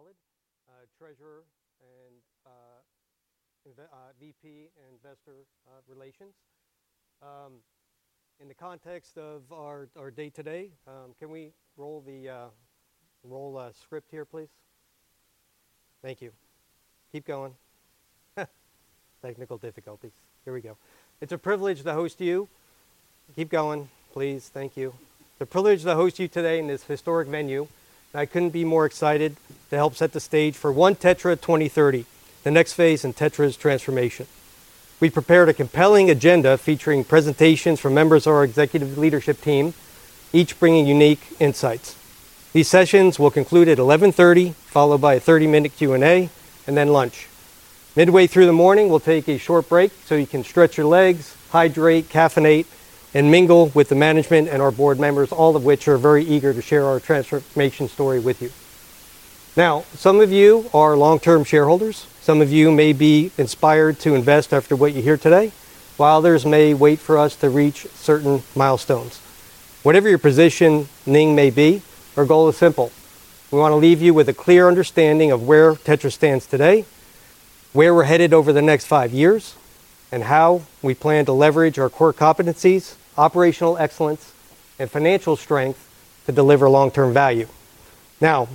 Kurt Hallead, Treasurer and Vice President and Investor Relations. In the context of our day today, can we roll the script here, please? Thank you. Keep going. Technical difficulties. Here we go. It's a privilege to host you. Keep going, please. Thank you. It's a privilege to host you today in this historic venue. I couldn't be more excited to help set the stage for OneTETRA 2030, the next phase in TETRA's transformation. We prepared a compelling agenda featuring presentations from members of our executive leadership team, each bringing unique insights. These sessions will conclude at 11:30 A.M., followed by a 30-minute Q&A, and then lunch. Midway through the morning, we'll take a short break so you can stretch your legs, hydrate, caffeinate, and mingle with the management and our board members, all of which are very eager to share our transformation story with you. Some of you are long-term shareholders. Some of you may be inspired to invest after what you hear today, while others may wait for us to reach certain milestones. Whatever your positioning may be, our goal is simple. We want to leave you with a clear understanding of where TETRA stands today, where we're headed over the next five years, and how we plan to leverage our core competencies, operational excellence, and financial strength to deliver long-term value.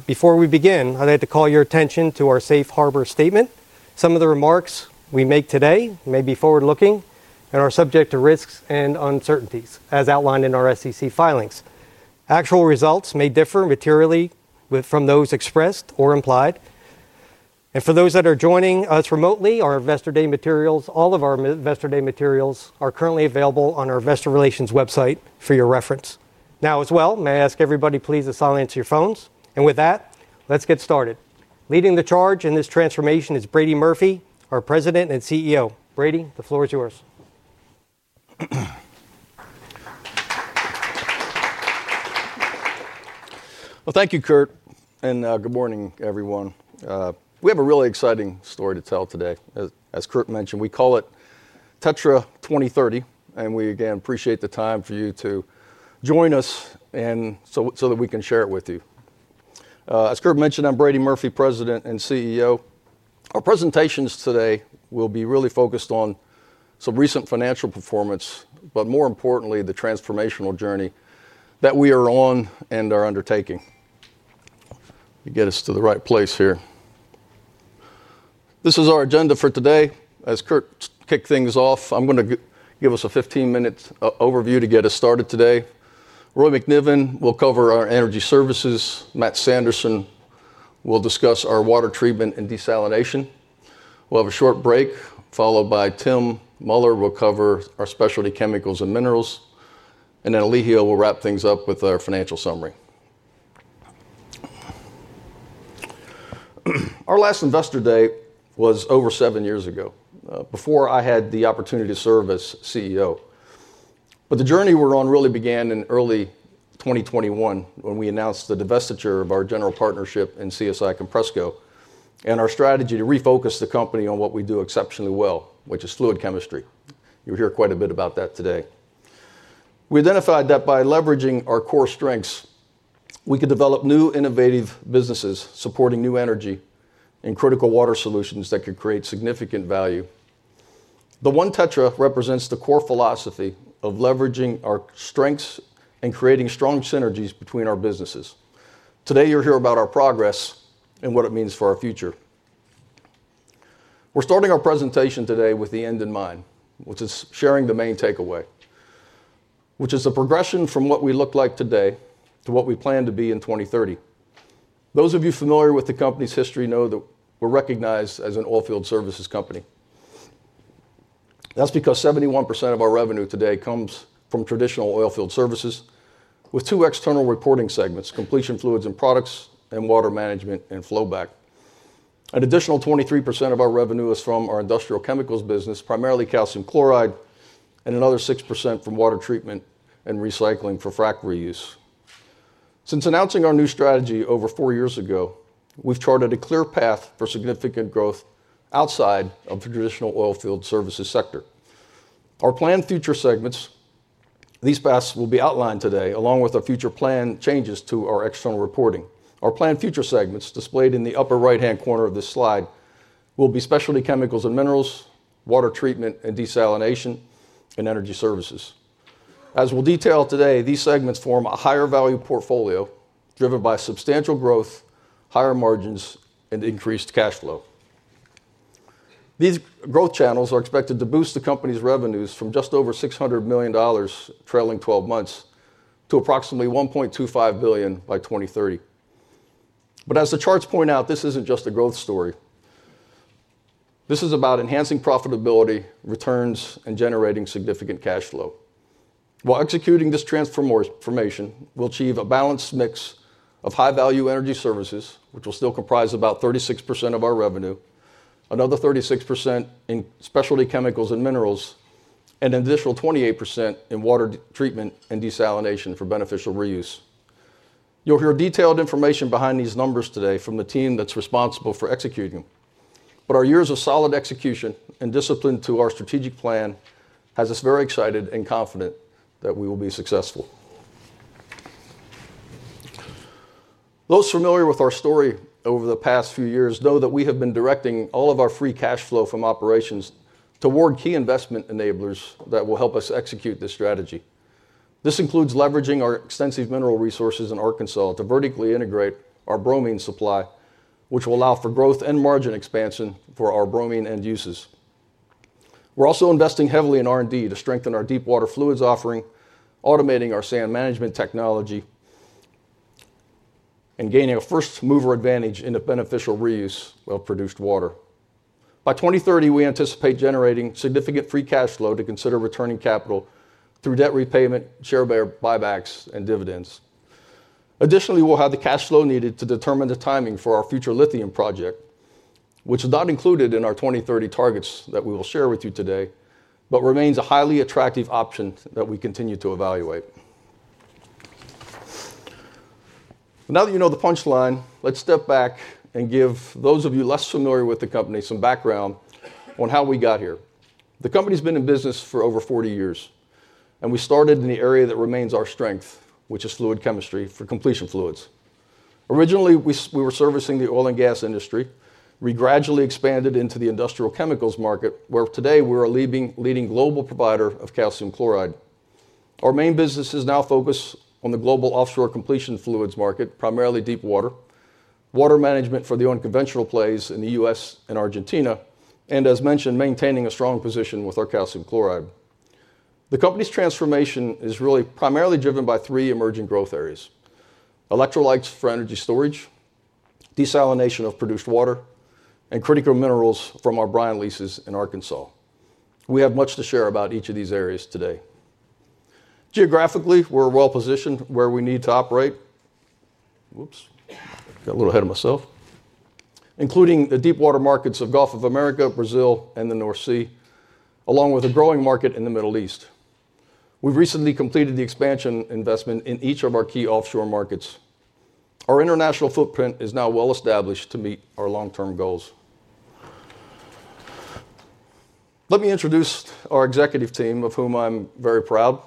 Before we begin, I'd like to call your attention to our safe harbor statement. Some of the remarks we make today may be forward-looking and are subject to risks and uncertainties, as outlined in our SEC filings. Actual results may differ materially from those expressed or implied. For those that are joining us remotely, all of our Investor Day materials are currently available on our Investor Relations website for your reference. May I ask everybody please to silence your phones? With that, let's get started. Leading the charge in this transformation is Brady Murphy, our President and CEO. Brady, the floor is yours. Thank you, Kurt, and good morning, everyone. We have a really exciting story to tell today. As Kurt mentioned, we call it TETRA 2030, and we again appreciate the time for you to join us so that we can share it with you. As Kurt mentioned, I'm Brady Murphy, President and CEO. Our presentations today will be really focused on some recent financial performance, but more importantly, the transformational journey that we are on and are undertaking. Let me get us to the right place here. This is our agenda for today. As Kurt kicked things off, I'm going to give us a 15-minute overview to get us started today. Roy McNiven will cover our Energy Services. Matt Sanderson will discuss our water treatment and desalination. We'll have a short break, followed by Tim Muller who will cover our specialty chemicals and minerals, and then Elijio will wrap things up with our financial summary. Our last Investor Day was over seven years ago, before I had the opportunity to serve as CEO. The journey we're on really began in early 2021 when we announced the divestiture of our general partnership in CSI Compresco and our strategy to refocus the company on what we do exceptionally well, which is fluid chemistry. You'll hear quite a bit about that today. We identified that by leveraging our core strengths, we could develop new innovative businesses supporting new energy and critical water solutions that could create significant value. The OneTETRA represents the core philosophy of leveraging our strengths and creating strong synergies between our businesses. Today, you'll hear about our progress and what it means for our future. We're starting our presentation today with the end in mind, which is sharing the main takeaway, which is the progression from what we look like today to what we plan to be in 2030. Those of you familiar with the company's history know that we're recognized as an oilfield services company. That's because 71% of our revenue today comes from traditional oilfield services with two external reporting segments: completion fluids and products, and water management and flowback. An additional 23% of our revenue is from our industrial chemicals business, primarily calcium chloride, and another 6% from water treatment and recycling for frac reuse. Since announcing our new strategy over four years ago, we've charted a clear path for significant growth outside of the traditional oilfield services sector. Our planned future segments, these paths will be outlined today, along with our future planned changes to our external reporting. Our planned future segments, displayed in the upper right-hand corner of this slide, will be specialty chemicals and minerals, water treatment and desalination, and energy services. As we'll detail today, these segments form a higher value portfolio driven by substantial growth, higher margins, and increased cash flow. These growth channels are expected to boost the company's revenues from just over $600 million trailing 12 months to approximately $1.25 billion by 2030. As the charts point out, this isn't just a growth story. This is about enhancing profitability, returns, and generating significant cash flow. While executing this transformation, we'll achieve a balanced mix of high-value energy services, which will still comprise about 36% of our revenue, another 36% in specialty chemicals and minerals, and an additional 28% in water treatment and desalination for beneficial reuse. You'll hear detailed information behind these numbers today from the team that's responsible for executing them. Our years of solid execution and discipline to our strategic plan have us very excited and confident that we will be successful. Those familiar with our story over the past few years know that we have been directing all of our free cash flow from operations toward key investment enablers that will help us execute this strategy. This includes leveraging our extensive mineral resources in Arkansas to vertically integrate our bromine supply, which will allow for growth and margin expansion for our bromine end uses. We're also investing heavily in R&D to strengthen our deep water fluids offering, automating our sand management technology, and gaining a first-mover advantage in a beneficial reuse of produced water. By 2030, we anticipate generating significant free cash flow to consider returning capital through debt repayment, share buybacks, and dividends. Additionally, we'll have the cash flow needed to determine the timing for our future lithium project, which is not included in our 2030 targets that we will share with you today, but remains a highly attractive option that we continue to evaluate. Now that you know the punchline, let's step back and give those of you less familiar with the company some background on how we got here. The company's been in business for over 40 years, and we started in the area that remains our strength, which is fluid chemistry for completion fluids. Originally, we were servicing the oil and gas industry. We gradually expanded into the industrial chemicals market, where today we are a leading global provider of calcium chloride. Our main businesses now focus on the global offshore completion fluids market, primarily deep water, water management for the unconventional plays in the U.S. and Argentina, and, as mentioned, maintaining a strong position with our calcium chloride. The company's transformation is really primarily driven by three emerging growth areas: electrolytes for energy storage, desalination of produced water, and critical minerals from our brine leases in Arkansas. We have much to share about each of these areas today. Geographically, we're well positioned where we need to operate. Including the deep water markets of Gulf of America, Brazil, and the North Sea, along with a growing market in the Middle East. We've recently completed the expansion investment in each of our key offshore markets. Our international footprint is now well established to meet our long-term goals. Let me introduce our executive team, of whom I'm very proud,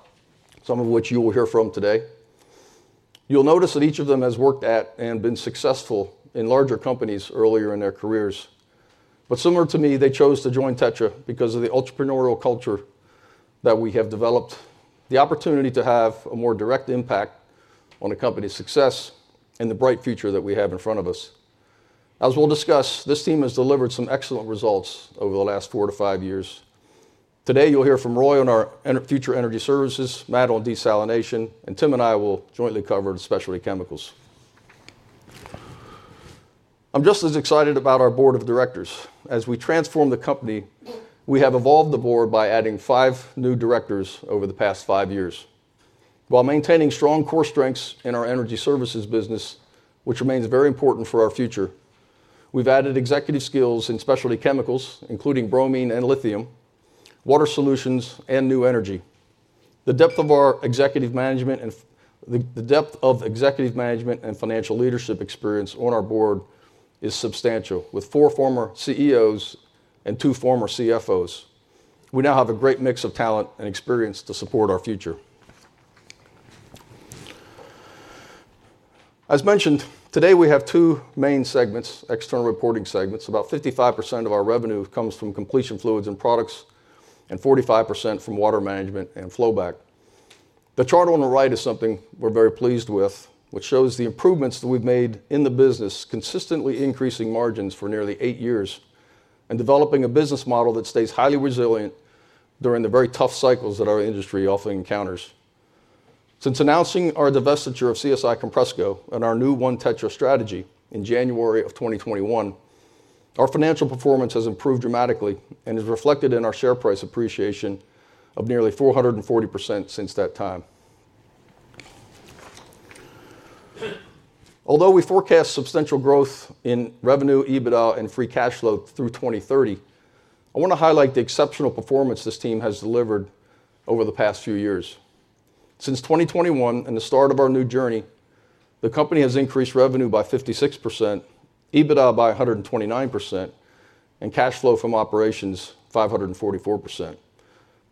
some of which you will hear from today. You'll notice that each of them has worked at and been successful in larger companies earlier in their careers. Similar to me, they chose to join TETRA Technologies because of the entrepreneurial culture that we have developed, the opportunity to have a more direct impact on the company's success, and the bright future that we have in front of us. As we'll discuss, this team has delivered some excellent results over the last four to five years. Today, you'll hear from Roy on our future energy services, Matt on desalination, and Tim and I will jointly cover the specialty chemicals. I'm just as excited about our board of directors. As we transform the company, we have evolved the board by adding five new directors over the past five years. While maintaining strong core strengths in our energy services business, which remains very important for our future, we've added executive skills in specialty chemicals, including bromine and lithium, water solutions, and new energy. The depth of our executive management and financial leadership experience on our board is substantial, with four former CEOs and two former CFOs. We now have a great mix of talent and experience to support our future. As mentioned, today we have two main segments, external reporting segments. About 55% of our revenue comes from completion fluids and products, and 45% from water management and flowback. The chart on the right is something we're very pleased with, which shows the improvements that we've made in the business, consistently increasing margins for nearly eight years, and developing a business model that stays highly resilient during the very tough cycles that our industry often encounters. Since announcing our divestiture of CSI Compresco and our new OneTETRA strategy in January of 2021, our financial performance has improved dramatically and is reflected in our share price appreciation of nearly 440% since that time. Although we forecast substantial growth in revenue, EBITDA, and free cash flow through 2030, I want to highlight the exceptional performance this team has delivered over the past few years. Since 2021 and the start of our new journey, the company has increased revenue by 56%, EBITDA by 129%, and cash flow from operations 544%.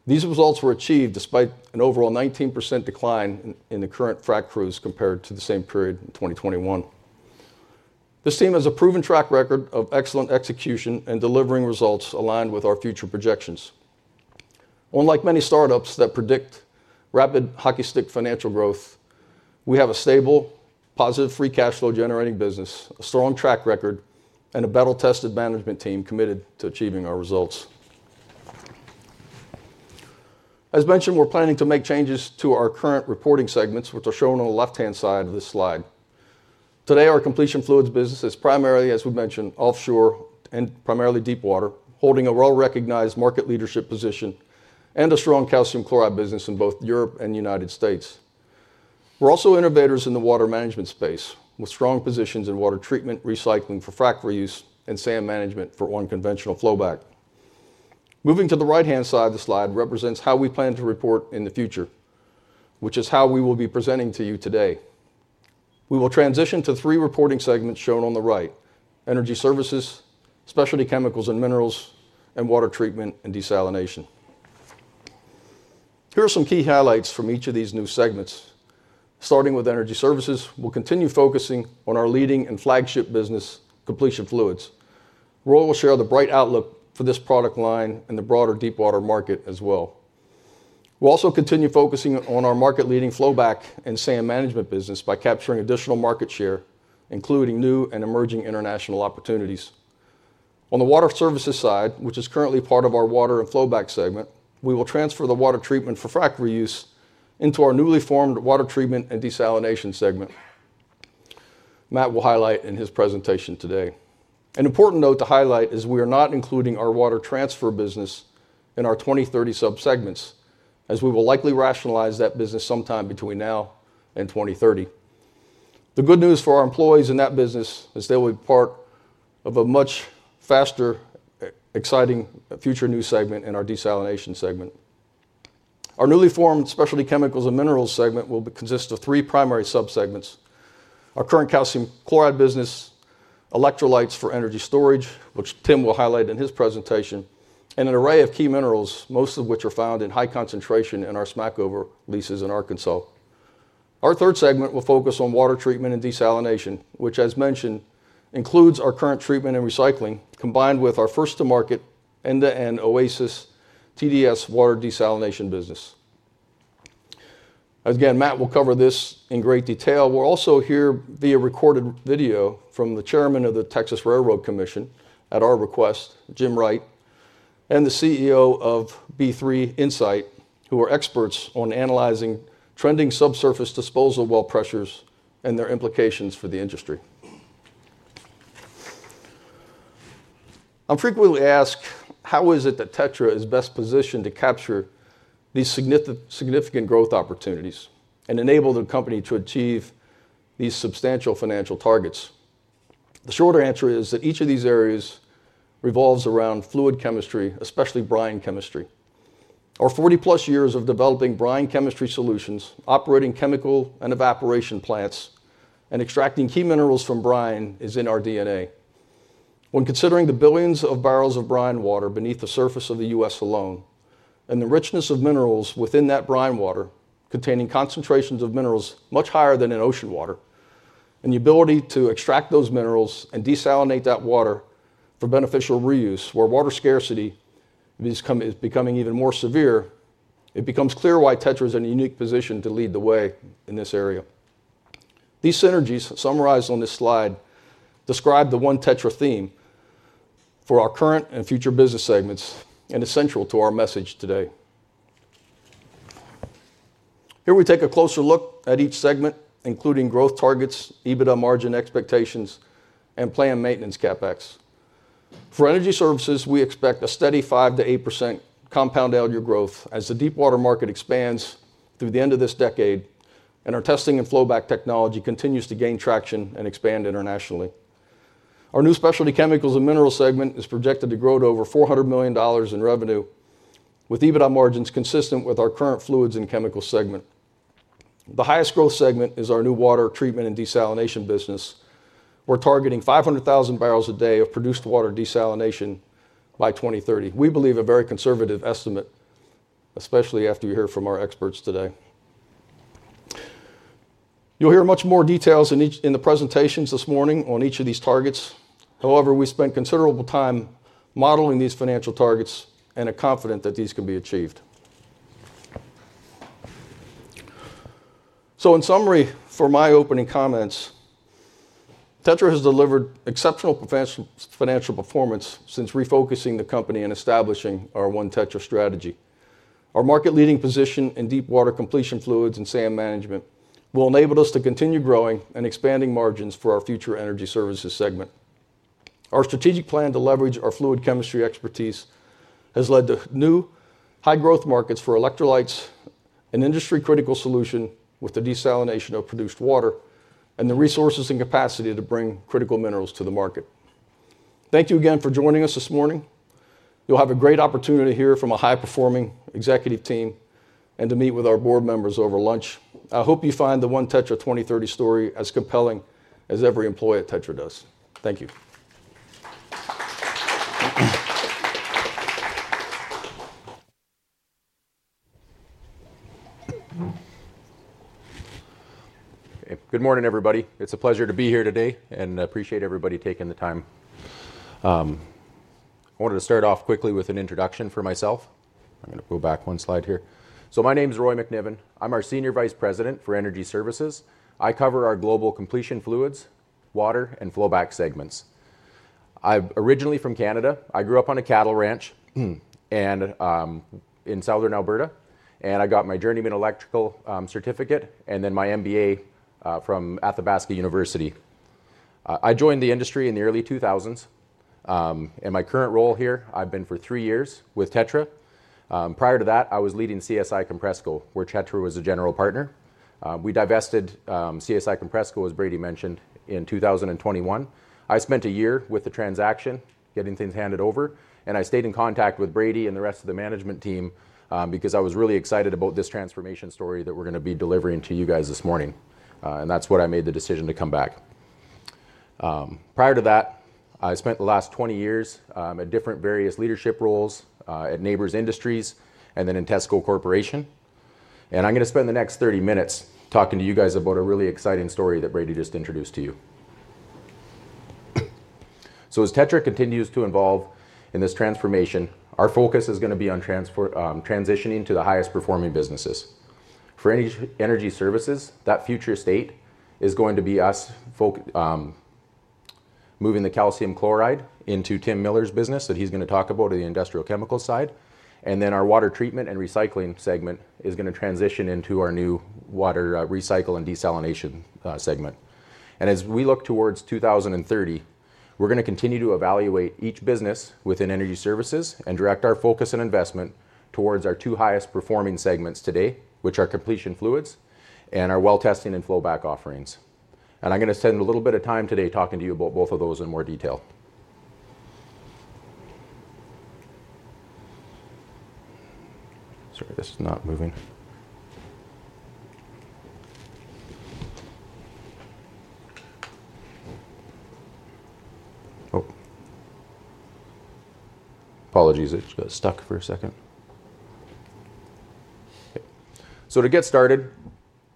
These results were achieved despite an overall 19% decline in the current frac crews compared to the same period in 2021. This team has a proven track record of excellent execution and delivering results aligned with our future projections. Unlike many startups that predict rapid hockey stick financial growth, we have a stable, positive free cash flow generating business, a strong track record, and a battle-tested management team committed to achieving our results. As mentioned, we're planning to make changes to our current reporting segments, which are shown on the left-hand side of this slide. Today, our completion fluids business is primarily, as we mentioned, offshore and primarily deep water, holding a well-recognized market leadership position and a strong calcium chloride business in both Europe and the United States. We're also innovators in the water management space with strong positions in water treatment, recycling for frac reuse, and sand management for unconventional flowback. Moving to the right-hand side of the slide represents how we plan to report in the future, which is how we will be presenting to you today. We will transition to three reporting segments shown on the right: energy services, specialty chemicals and minerals, and water treatment and desalination. Here are some key highlights from each of these new segments. Starting with energy services, we'll continue focusing on our leading and flagship business, completion fluids. Roy will share the bright outlook for this product line and the broader deep water market as well. We'll also continue focusing on our market-leading flowback and sand management business by capturing additional market share, including new and emerging international opportunities. On the water services side, which is currently part of our water and flowback segment, we will transfer the water treatment for frac reuse into our newly formed water treatment and desalination segment. Matt will highlight in his presentation today. An important note to highlight is we are not including our water transfer business in our 2030 subsegments, as we will likely rationalize that business sometime between now and 2030. The good news for our employees in that business is they will be part of a much faster, exciting future new segment in our desalination segment. Our newly formed specialty chemicals and minerals segment will consist of three primary subsegments: our current calcium chloride business, electrolytes for energy storage, which Tim will highlight in his presentation, and an array of key minerals, most of which are found in high concentration in our Smackover leases in Arkansas. Our third segment will focus on water treatment and desalination, which, as mentioned, includes our current treatment and recycling combined with our first-to-market, end-to-end Oasis TDS water desalination business. Again, Matt will cover this in great detail. We'll also hear via recorded video from the Chairman of the Texas Railroad Commission at our request, Jim Wright, and the CEO of B3 Insight, who are experts on analyzing trending subsurface disposal well pressures and their implications for the industry. I'm frequently asked, how is it that TETRA is best positioned to capture these significant growth opportunities and enable the company to achieve these substantial financial targets? The short answer is that each of these areas revolves around fluid chemistry, especially brine chemistry. Our 40-plus years of developing brine chemistry solutions, operating chemical and evaporation plants, and extracting key minerals from brine is in our DNA. When considering the billions of barrels of brine water beneath the surface of the U.S. alone, and the richness of minerals within that brine water, containing concentrations of minerals much higher than in ocean water, and the ability to extract those minerals and desalinate that water for beneficial reuse, where water scarcity is becoming even more severe, it becomes clear why TETRA Technologies is in a unique position to lead the way in this area. These synergies, summarized on this slide, describe the OneTETRA theme for our current and future business segments and are essential to our message today. Here we take a closer look at each segment, including growth targets, EBITDA margin expectations, and planned maintenance CapEx. For energy services, we expect a steady 5% to 8% compound annual growth as the deep water market expands through the end of this decade, and our testing and flowback technology continues to gain traction and expand internationally. Our new specialty chemicals and minerals segment is projected to grow to over $400 million in revenue, with EBITDA margins consistent with our current fluids and chemicals segment. The highest growth segment is our new water treatment and desalination business. We're targeting 500,000 barrels a day of produced water desalination by 2030. We believe a very conservative estimate, especially after you hear from our experts today. You'll hear much more detail in the presentations this morning on each of these targets. However, we spent considerable time modeling these financial targets and are confident that these can be achieved. In summary, for my opening comments, TETRA Technologies has delivered exceptional financial performance since refocusing the company and establishing our OneTETRA strategy. Our market-leading position in deep water completion fluids and sand management will enable us to continue growing and expanding margins for our future energy services segment. Our strategic plan to leverage our fluid chemistry expertise has led to new high-growth markets for electrolytes, an industry-critical solution with the desalination of produced water, and the resources and capacity to bring critical minerals to the market. Thank you again for joining us this morning. You'll have a great opportunity to hear from a high-performing executive team and to meet with our board members over lunch. I hope you find the OneTETRA 2030 story as compelling as every employee at TETRA Technologies does. Thank you. Good morning, everybody. It's a pleasure to be here today and appreciate everybody taking the time. I wanted to start off quickly with an introduction for myself. I'm going to pull back one slide here. My name is Roy McNiven. I'm our Senior Vice President for Energy Services. I cover our global completion fluids, water, and flowback segments. I'm originally from Canada. I grew up on a cattle ranch in Southern Alberta, and I got my journeyman electrical certificate and then my MBA from Athabasca University. I joined the industry in the early 2000s, and my current role here, I've been for three years with TETRA Technologies. Prior to that, I was leading CSI Compresco, where TETRA Technologies was a general partner. We divested CSI Compresco, as Brady Murphy mentioned, in 2021. I spent a year with the transaction, getting things handed over, and I stayed in contact with Brady Murphy and the rest of the management team because I was really excited about this transformation story that we're going to be delivering to you guys this morning. That's why I made the decision to come back. Prior to that, I spent the last 20 years at different various leadership roles at Nabors Industries and then in TESCO Corporation. I'm going to spend the next 30 minutes talking to you guys about a really exciting story that Brady Murphy just introduced to you. As TETRA Technologies continues to evolve in this transformation, our focus is going to be on transitioning to the highest performing businesses. For Energy Services, that future state is going to be us moving the calcium chloride into Tim Miller's business that he's going to talk about in the industrial chemical side. Our water treatment and recycling segment is going to transition into our new water recycle and desalination segment. As we look towards 2030, we're going to continue to evaluate each business within Energy Services and direct our focus and investment towards our two highest performing segments today, which are completion fluids and our well testing and flowback offerings. I'm going to spend a little bit of time today talking to you about both of those in more detail. Sorry, this is not moving. Oh, apologies, it just stuck for a second. To get started,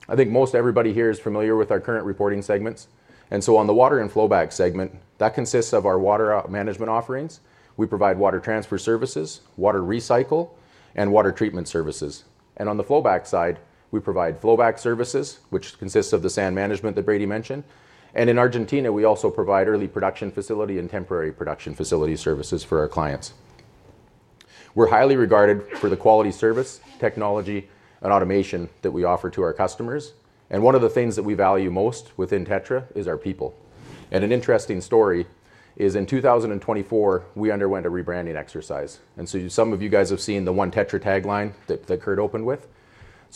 I think most everybody here is familiar with our current reporting segments. On the water and flowback segment, that consists of our water management offerings. We provide water transfer services, water recycle, and water treatment services. On the flowback side, we provide flowback services, which consists of the sand management that Brady mentioned. In Argentina, we also provide early production facility and temporary production facility services for our clients. We are highly regarded for the quality service, technology, and automation that we offer to our customers. One of the things that we value most within TETRA is our people. An interesting story is in 2024, we underwent a rebranding exercise. Some of you have seen the OneTETRA tagline that Kurt opened with.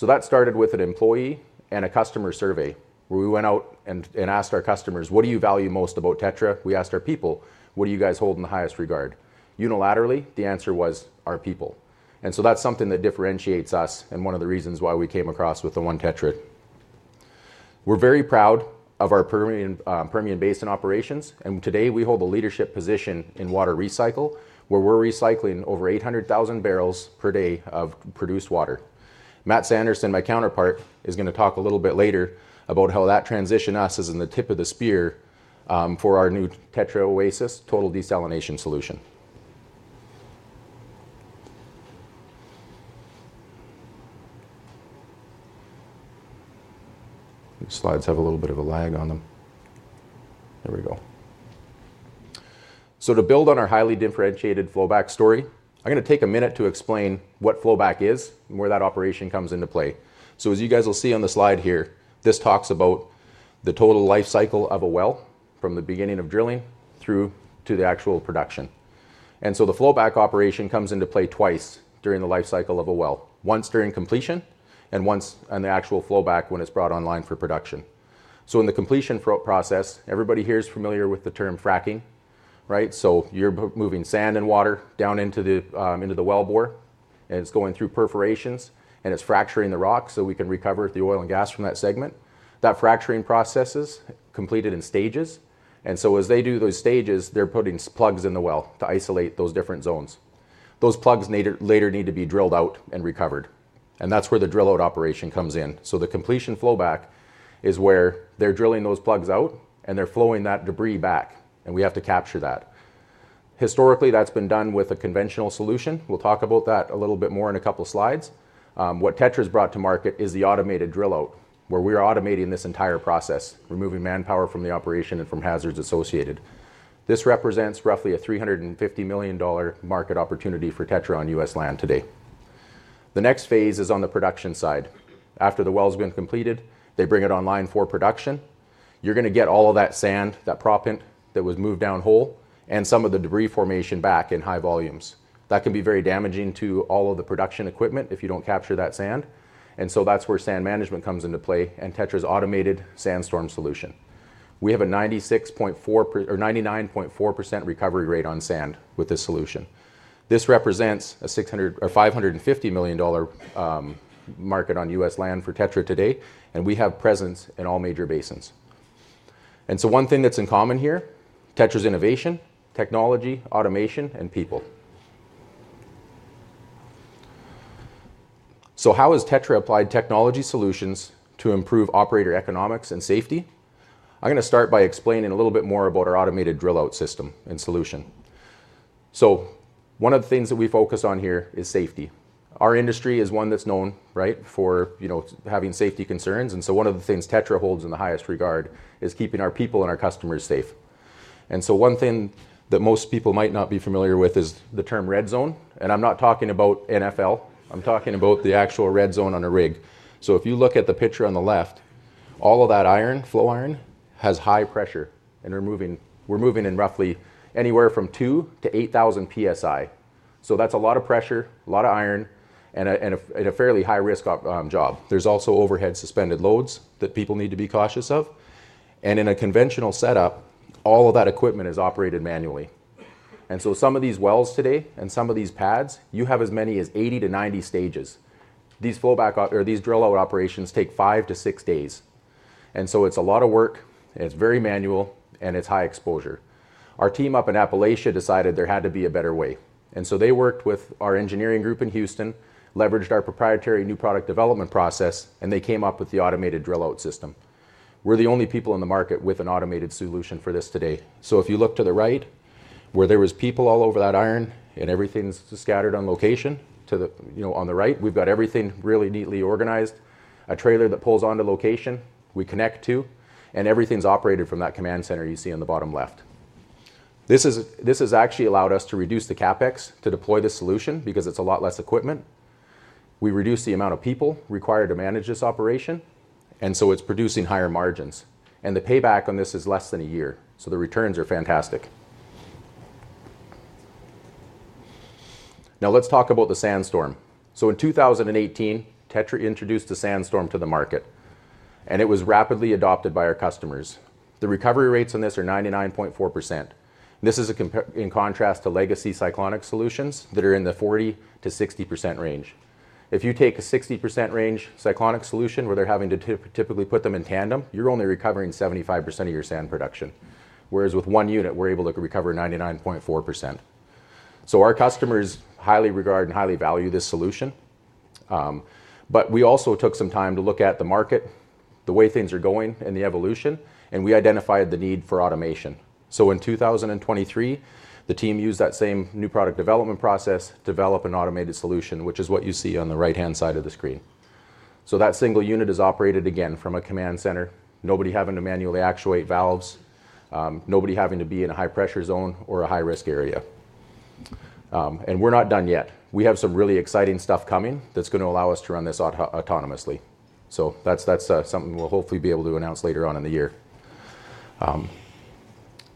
That started with an employee and a customer survey where we went out and asked our customers, "What do you value most about TETRA?" We asked our people, "What do you hold in the highest regard?" Unilaterally, the answer was our people. That is something that differentiates us and one of the reasons why we came across with the OneTETRA. We are very proud of our Permian Basin operations. Today, we hold a leadership position in water recycle, where we are recycling over 800,000 barrels per day of produced water. Matt Sanderson, my counterpart, is going to talk a little bit later about how that transition is in the tip of the spear for our new TETRA OASIS TDS (Total Desalination Solution). These slides have a little bit of a lag on them. There we go. To build on our highly differentiated flowback story, I am going to take a minute to explain what flowback is and where that operation comes into play. As you will see on the slide here, this talks about the total life cycle of a well from the beginning of drilling through to the actual production. The flowback operation comes into play twice during the life cycle of a well, once during completion and once on the actual flowback when it is brought online for production. In the completion process, everybody here is familiar with the term fracking, right? You are moving sand and water down into the well bore. It is going through perforations and it is fracturing the rock so we can recover the oil and gas from that segment. That fracturing process is completed in stages. As they do those stages, they are putting plugs in the well to isolate those different zones. Those plugs later need to be drilled out and recovered. That is where the drill-out operation comes in. The completion flowback is where they are drilling those plugs out and they are flowing that debris back. We have to capture that. Historically, that's been done with a conventional solution. We'll talk about that a little bit more in a couple of slides. What TETRA has brought to market is the automated drill-out, where we are automating this entire process, removing manpower from the operation and from hazards associated. This represents roughly a $350 million market opportunity for TETRA on U.S. land today. The next phase is on the production side. After the well's been completed, they bring it online for production. You're going to get all of that sand, that proppant that was moved downhole, and some of the debris formation back in high volumes. That can be very damaging to all of the production equipment if you don't capture that sand. That's where sand management comes into play and TETRA's automated sandstorm solution. We have a 99.4% recovery rate on sand with this solution. This represents a $550 million market on U.S. land for TETRA today, and we have presence in all major basins. One thing that's in common here is TETRA's innovation, technology, automation, and people. How has TETRA applied technology solutions to improve operator economics and safety? I'm going to start by explaining a little bit more about our automated drill-out system and solution. One of the things that we focus on here is safety. Our industry is one that's known for having safety concerns. One of the things TETRA holds in the highest regard is keeping our people and our customers safe. One thing that most people might not be familiar with is the term red zone. I'm not talking about NFL. I'm talking about the actual red zone on a rig. If you look at the picture on the left, all of that iron, flow iron, has high pressure, and we're moving in roughly anywhere from 2,000 to 8,000 PSI. That's a lot of pressure, a lot of iron, and a fairly high-risk job. There are also overhead suspended loads that people need to be cautious of. In a conventional setup, all of that equipment is operated manually. Some of these wells today and some of these pads, you have as many as 80 to 90 stages. These drill-out operations take five to six days. It's a lot of work, it's very manual, and it's high exposure. Our team up in Appalachia decided there had to be a better way. They worked with our engineering group in Houston, leveraged our proprietary new product development process, and they came up with the automated drill-out system. We're the only people in the market with an automated solution for this today. If you look to the right, where there were people all over that iron and everything's scattered on location, on the right, we've got everything really neatly organized. A trailer that pulls onto location, we connect to, and everything's operated from that command center you see on the bottom left. This has actually allowed us to reduce the CapEx to deploy this solution because it's a lot less equipment. We reduce the amount of people required to manage this operation, and it's producing higher margins. The payback on this is less than a year. The returns are fantastic. Now, let's talk about the sandstorm. In 2018, TETRA introduced the sandstorm to the market, and it was rapidly adopted by our customers. The recovery rates on this are 99.4%. This is in contrast to legacy cyclonic solutions that are in the 40% to 60% range. If you take a 60% range cyclonic solution, where they're having to typically put them in tandem, you're only recovering 75% of your sand production. Whereas with one unit, we're able to recover 99.4%. Our customers highly regard and highly value this solution. We also took some time to look at the market, the way things are going, and the evolution, and we identified the need for automation. In 2023, the team used that same new product development process to develop an automated solution, which is what you see on the right-hand side of the screen. That single unit is operated again from a command center, nobody having to manually actuate valves, nobody having to be in a high-pressure zone or a high-risk area. We're not done yet. We have some really exciting stuff coming that's going to allow us to run this autonomously. That's something we'll hopefully be able to announce later on in the year.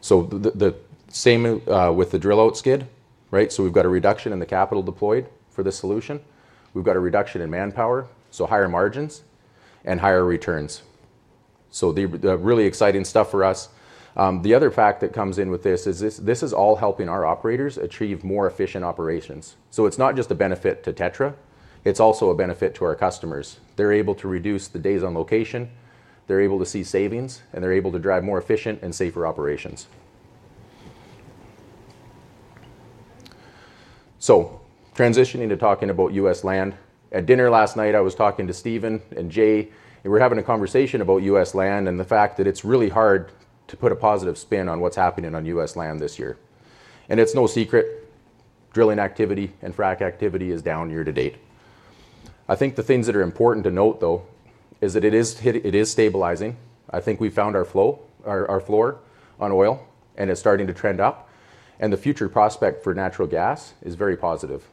The same with the drill-out skid, right? We've got a reduction in the capital deployed for this solution. We've got a reduction in manpower, so higher margins and higher returns. The really exciting stuff for us. The other fact that comes in with this is this is all helping our operators achieve more efficient operations. It's not just a benefit to TETRA, it's also a benefit to our customers. They're able to reduce the days on location, they're able to see savings, and they're able to drive more efficient and safer operations. Transitioning to talking about U.S. land. At dinner last night, I was talking to Steven and Jay, and we were having a conversation about U.S. land and the fact that it's really hard to put a positive spin on what's happening on U.S. land this year. It's no secret, drilling activity and frac activity is down year to date. I think the things that are important to note, though, is that it is stabilizing. I think we found our floor on oil, and it's starting to trend up. The future prospect for natural gas is very positive.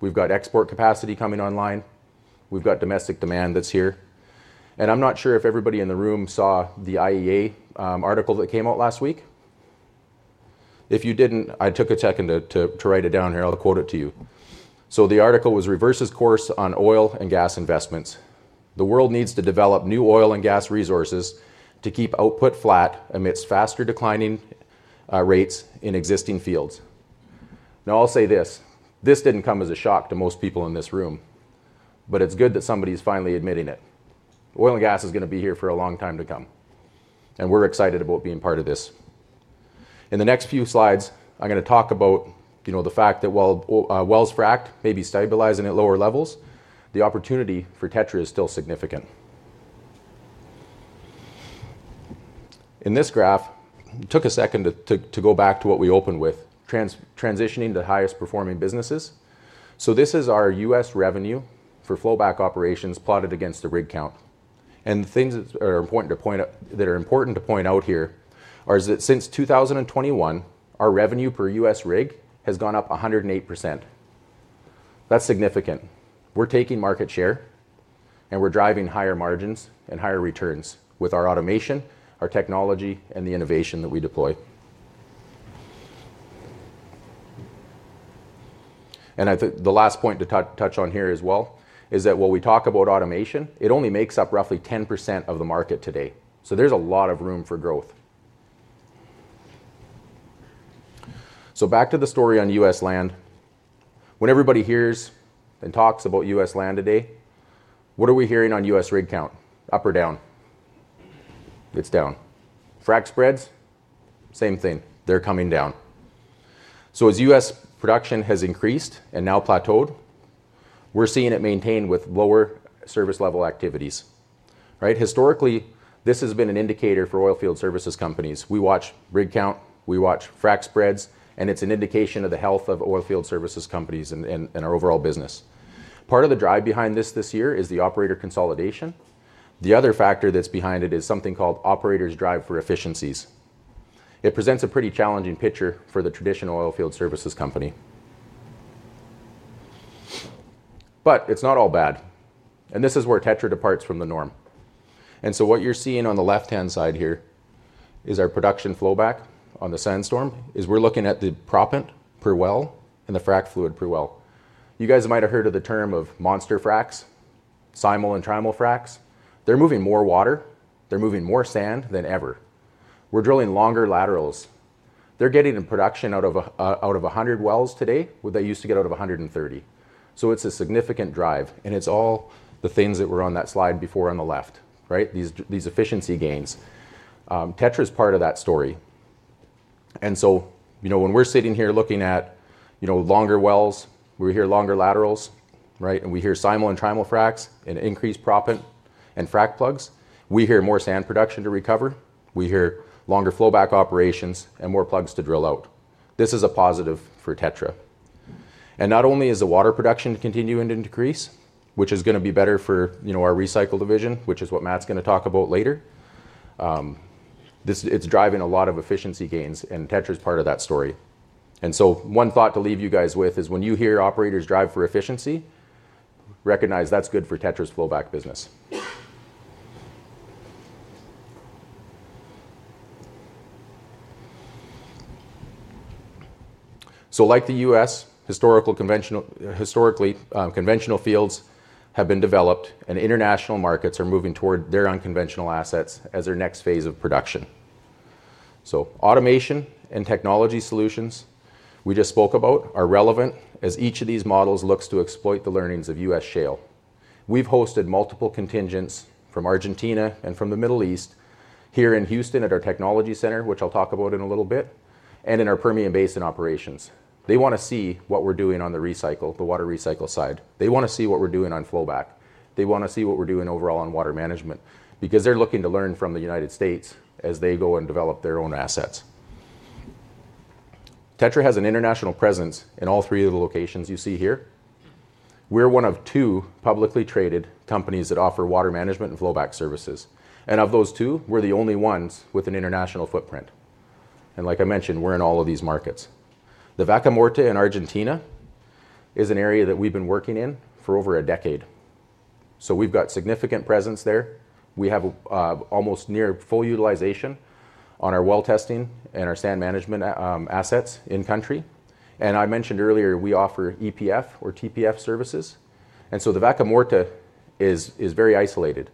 We've got export capacity coming online. We've got domestic demand that's here. I'm not sure if everybody in the room saw the IEA article that came out last week. If you didn't, I took a second to write it down here. I'll quote it to you. The article was "Reverses Course on Oil and Gas Investments. The World Needs to Develop New Oil and Gas Resources to Keep Output Flat Amidst Faster Declining Rates in Existing Fields." I'll say this. This didn't come as a shock to most people in this room, but it's good that somebody's finally admitting it. Oil and gas is going to be here for a long time to come, and we're excited about being part of this. In the next few slides, I'm going to talk about the fact that while wells frac, maybe stabilizing at lower levels, the opportunity for TETRA is still significant. In this graph, I took a second to go back to what we opened with, transitioning to highest performing businesses. This is our U.S. revenue for flowback operations plotted against a rig count. The things that are important to point out here are that since 2021, our revenue per U.S. rig has gone up 108%. That's significant. We're taking market share, and we're driving higher margins and higher returns with our automation, our technology, and the innovation that we deploy. I think the last point to touch on here as well is that while we talk about automation, it only makes up roughly 10% of the market today. There's a lot of room for growth. Back to the story on U.S. land. When everybody hears and talks about U.S. land today, what are we hearing on U.S. rig count? Up or down? It's down. Frac spreads? Same thing. They're coming down. As U.S. production has increased and now plateaued, we're seeing it maintain with lower service level activities. Historically, this has been an indicator for oilfield services companies. We watch rig count, we watch frac spreads, and it's an indication of the health of oilfield services companies and our overall business. Part of the drive behind this this year is the operator consolidation. The other factor that's behind it is something called operators' drive for efficiencies. It presents a pretty challenging picture for the traditional oilfield services company. It's not all bad. This is where TETRA departs from the norm. What you're seeing on the left-hand side here is our production flowback on the sandstorm, as we're looking at the proppant per well and the fract fluid per well. You guys might have heard of the term monster fracts, simal and trimal fracts. They're moving more water, they're moving more sand than ever. We're drilling longer laterals. They're getting in production out of 100 wells today what they used to get out of 130. It's a significant drive, and it's all the things that were on that slide before on the left, right? These efficiency gains. TETRA is part of that story. When we're sitting here looking at longer wells, we hear longer laterals, right? We hear simal and trimal fracts and increased proppant and fract plugs. We hear more sand production to recover. We hear longer flowback operations and more plugs to drill out. This is a positive for TETRA. Not only is the water production continuing to decrease, which is going to be better for our recycle division, which is what Matt's going to talk about later, it's driving a lot of efficiency gains, and TETRA is part of that story. One thought to leave you guys with is when you hear operators' drive for efficiency, recognize that's good for TETRA's flowback business. Like the U.S., historically, conventional fields have been developed, and international markets are moving toward their unconventional assets as their next phase of production. Automation and technology solutions we just spoke about are relevant as each of these models looks to exploit the learnings of U.S. shale. We've hosted multiple contingents from Argentina and from the Middle East here in Houston at our technology center, which I'll talk about in a little bit, and in our Permian Basin operations. They want to see what we're doing on the recycle, the water recycle side. They want to see what we're doing on flowback. They want to see what we're doing overall on water management because they're looking to learn from the United States as they go and develop their own assets. TETRA has an international presence in all three of the locations you see here. We're one of two publicly traded companies that offer water management and flowback services. Of those two, we're the only ones with an international footprint. Like I mentioned, we're in all of these markets. The Vaca Muerta in Argentina is an area that we've been working in for over a decade, so we've got significant presence there. We have almost near full utilization on our well testing and our sand management assets in country. I mentioned earlier, we offer EPF or TPF services. The Vaca Muerta is very isolated,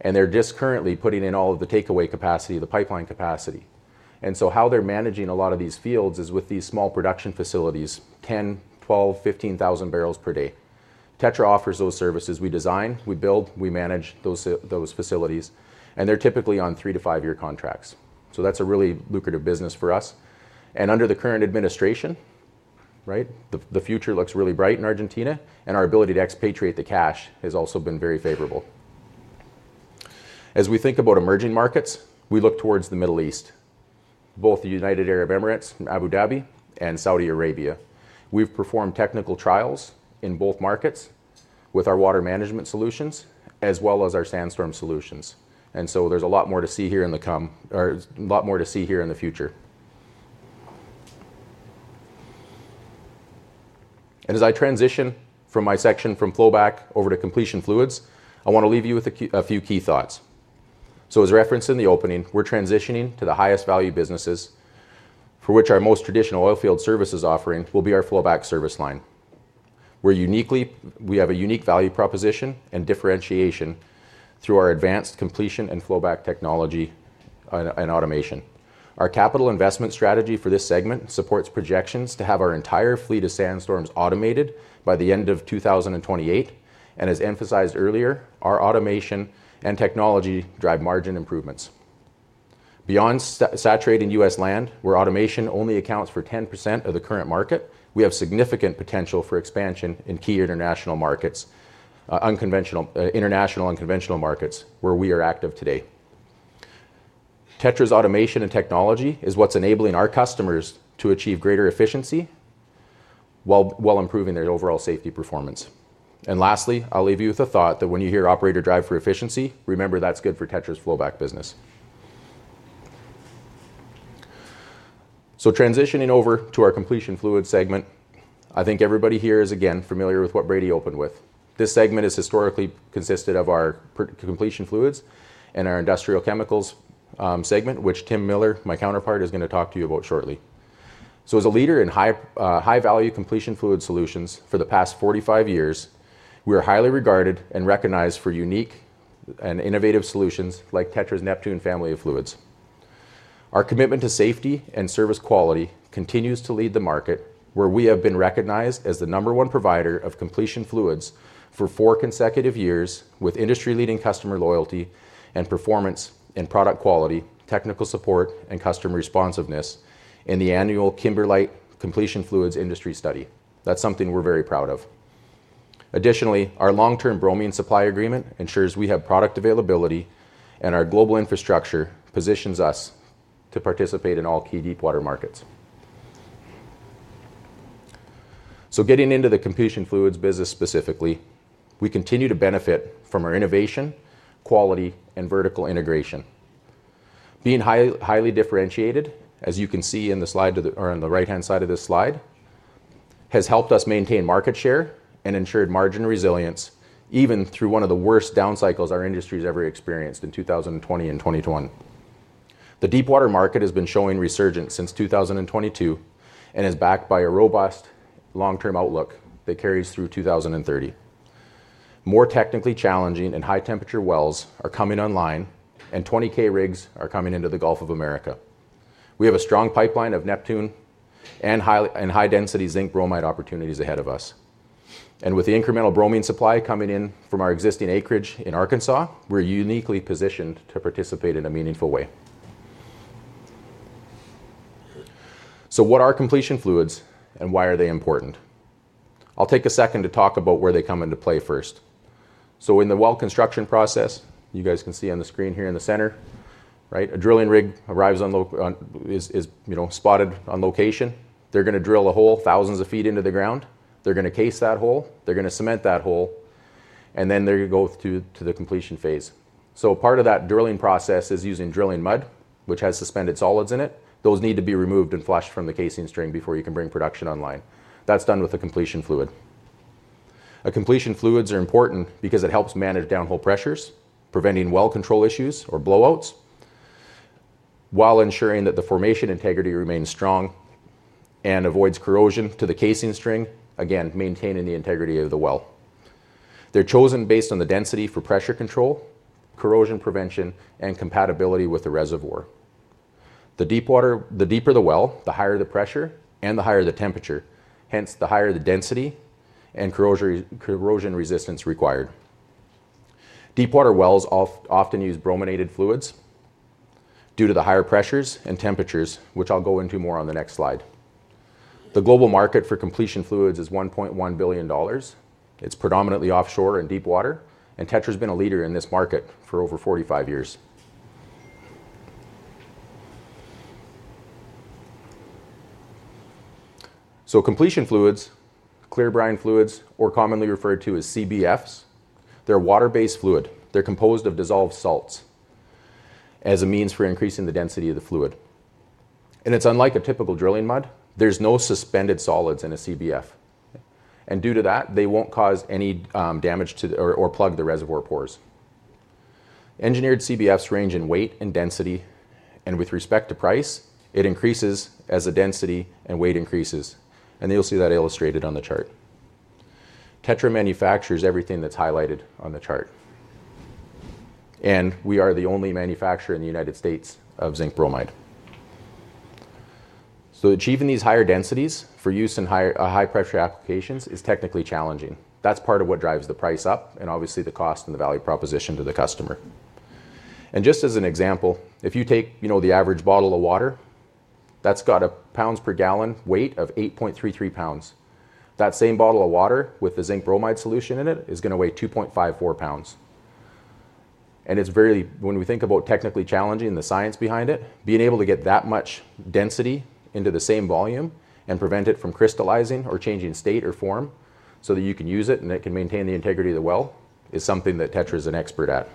and they're just currently putting in all of the takeaway capacity, the pipeline capacity. How they're managing a lot of these fields is with these small production facilities, 10, 12, 15,000 barrels per day. TETRA offers those services. We design, we build, we manage those facilities, and they're typically on three to five-year contracts. That's a really lucrative business for us. Under the current administration, the future looks really bright in Argentina, and our ability to expatriate the cash has also been very favorable. As we think about emerging markets, we look towards the Middle East, both the United Arab Emirates, Abu Dhabi, and Saudi Arabia. We've performed technical trials in both markets with our water management solutions, as well as our sand management solutions. There's a lot more to see here in the future. As I transition from my section from flowback over to completion fluids, I want to leave you with a few key thoughts. As referenced in the opening, we're transitioning to the highest value businesses, for which our most traditional oilfield services offering will be our flowback service line. We have a unique value proposition and differentiation through our advanced completion and flowback technology and automation. Our capital investment strategy for this segment supports projections to have our entire fleet of sand management systems automated by the end of 2028. As emphasized earlier, our automation and technology drive margin improvements. Beyond saturating U.S. land, where automation only accounts for 10% of the current market, we have significant potential for expansion in key international unconventional markets where we are active today. TETRA's automation and technology is what's enabling our customers to achieve greater efficiency while improving their overall safety performance. Lastly, I'll leave you with a thought that when you hear operator drive for efficiency, remember that's good for TETRA's flowback business. Transitioning over to our completion fluids segment, I think everybody here is again familiar with what Brady opened with. This segment has historically consisted of our completion fluids and our industrial chemicals segment, which Tim Miller, my counterpart, is going to talk to you about shortly. As a leader in high-value completion fluid solutions for the past 45 years, we are highly regarded and recognized for unique and innovative solutions like TETRA's Neptune family of fluids. Our commitment to safety and service quality continues to lead the market, where we have been recognized as the number one provider of completion fluids for four consecutive years with industry-leading customer loyalty and performance and product quality, technical support, and customer responsiveness in the annual Kimberlite Completion Fluids Industry Study. That's something we're very proud of. Additionally, our long-term bromine supply agreement ensures we have product availability, and our global infrastructure positions us to participate in all key deep water markets. Getting into the completion fluids business specifically, we continue to benefit from our innovation, quality, and vertical integration. Being highly differentiated, as you can see in the slide or on the right-hand side of this slide, has helped us maintain market share and ensured margin resilience, even through one of the worst down cycles our industry has ever experienced in 2020 and 2021. The deep water market has been showing resurgence since 2022 and is backed by a robust long-term outlook that carries through 2030. More technically challenging and high-temperature wells are coming online, and 20K rigs are coming into the Gulf of America. We have a strong pipeline of Neptune and high-density zinc bromide opportunities ahead of us. With the incremental bromine supply coming in from our existing acreage in Arkansas, we're uniquely positioned to participate in a meaningful way. What are completion fluids and why are they important? I'll take a second to talk about where they come into play first. In the well construction process, you guys can see on the screen here in the center, right? A drilling rig arrives on, is spotted on location. They're going to drill a hole thousands of feet into the ground. They're going to case that hole. They're going to cement that hole. Then they go to the completion phase. Part of that drilling process is using drilling mud, which has suspended solids in it. Those need to be removed and flushed from the casing string before you can bring production online. That's done with a completion fluid. A completion fluid is important because it helps manage downhole pressures, preventing well control issues or blowouts, while ensuring that the formation integrity remains strong and avoids corrosion to the casing string, again, maintaining the integrity of the well. They're chosen based on the density for pressure control, corrosion prevention, and compatibility with the reservoir. The deeper the well, the higher the pressure and the higher the temperature, hence the higher the density and corrosion resistance required. Deep water wells often use brominated fluids due to the higher pressures and temperatures, which I'll go into more on the next slide. The global market for completion fluids is $1.1 billion. It's predominantly offshore and deep water, and TETRA Technologies has been a leader in this market for over 45 years. Completion fluids, clear brine fluids, or commonly referred to as CBFs, are a water-based fluid. They're composed of dissolved salts as a means for increasing the density of the fluid. It's unlike a typical drilling mud. There's no suspended solids in a CBF. Due to that, they won't cause any damage to or plug the reservoir pores. Engineered CBFs range in weight and density, and with respect to price, it increases as the density and weight increases. You'll see that illustrated on the chart. TETRA Technologies manufactures everything that's highlighted on the chart. We are the only manufacturer in the United States of zinc bromide. Achieving these higher densities for use in high-pressure applications is technically challenging. That's part of what drives the price up and obviously the cost and the value proposition to the customer. Just as an example, if you take the average bottle of water, that's got a pounds per gallon weight of 8.33 pounds. That same bottle of water with the zinc bromide solution in it is going to weigh 2.54 pounds. It is very, when we think about technically challenging the science behind it, being able to get that much density into the same volume and prevent it from crystallizing or changing state or form so that you can use it and it can maintain the integrity of the well is something that TETRA is an expert at.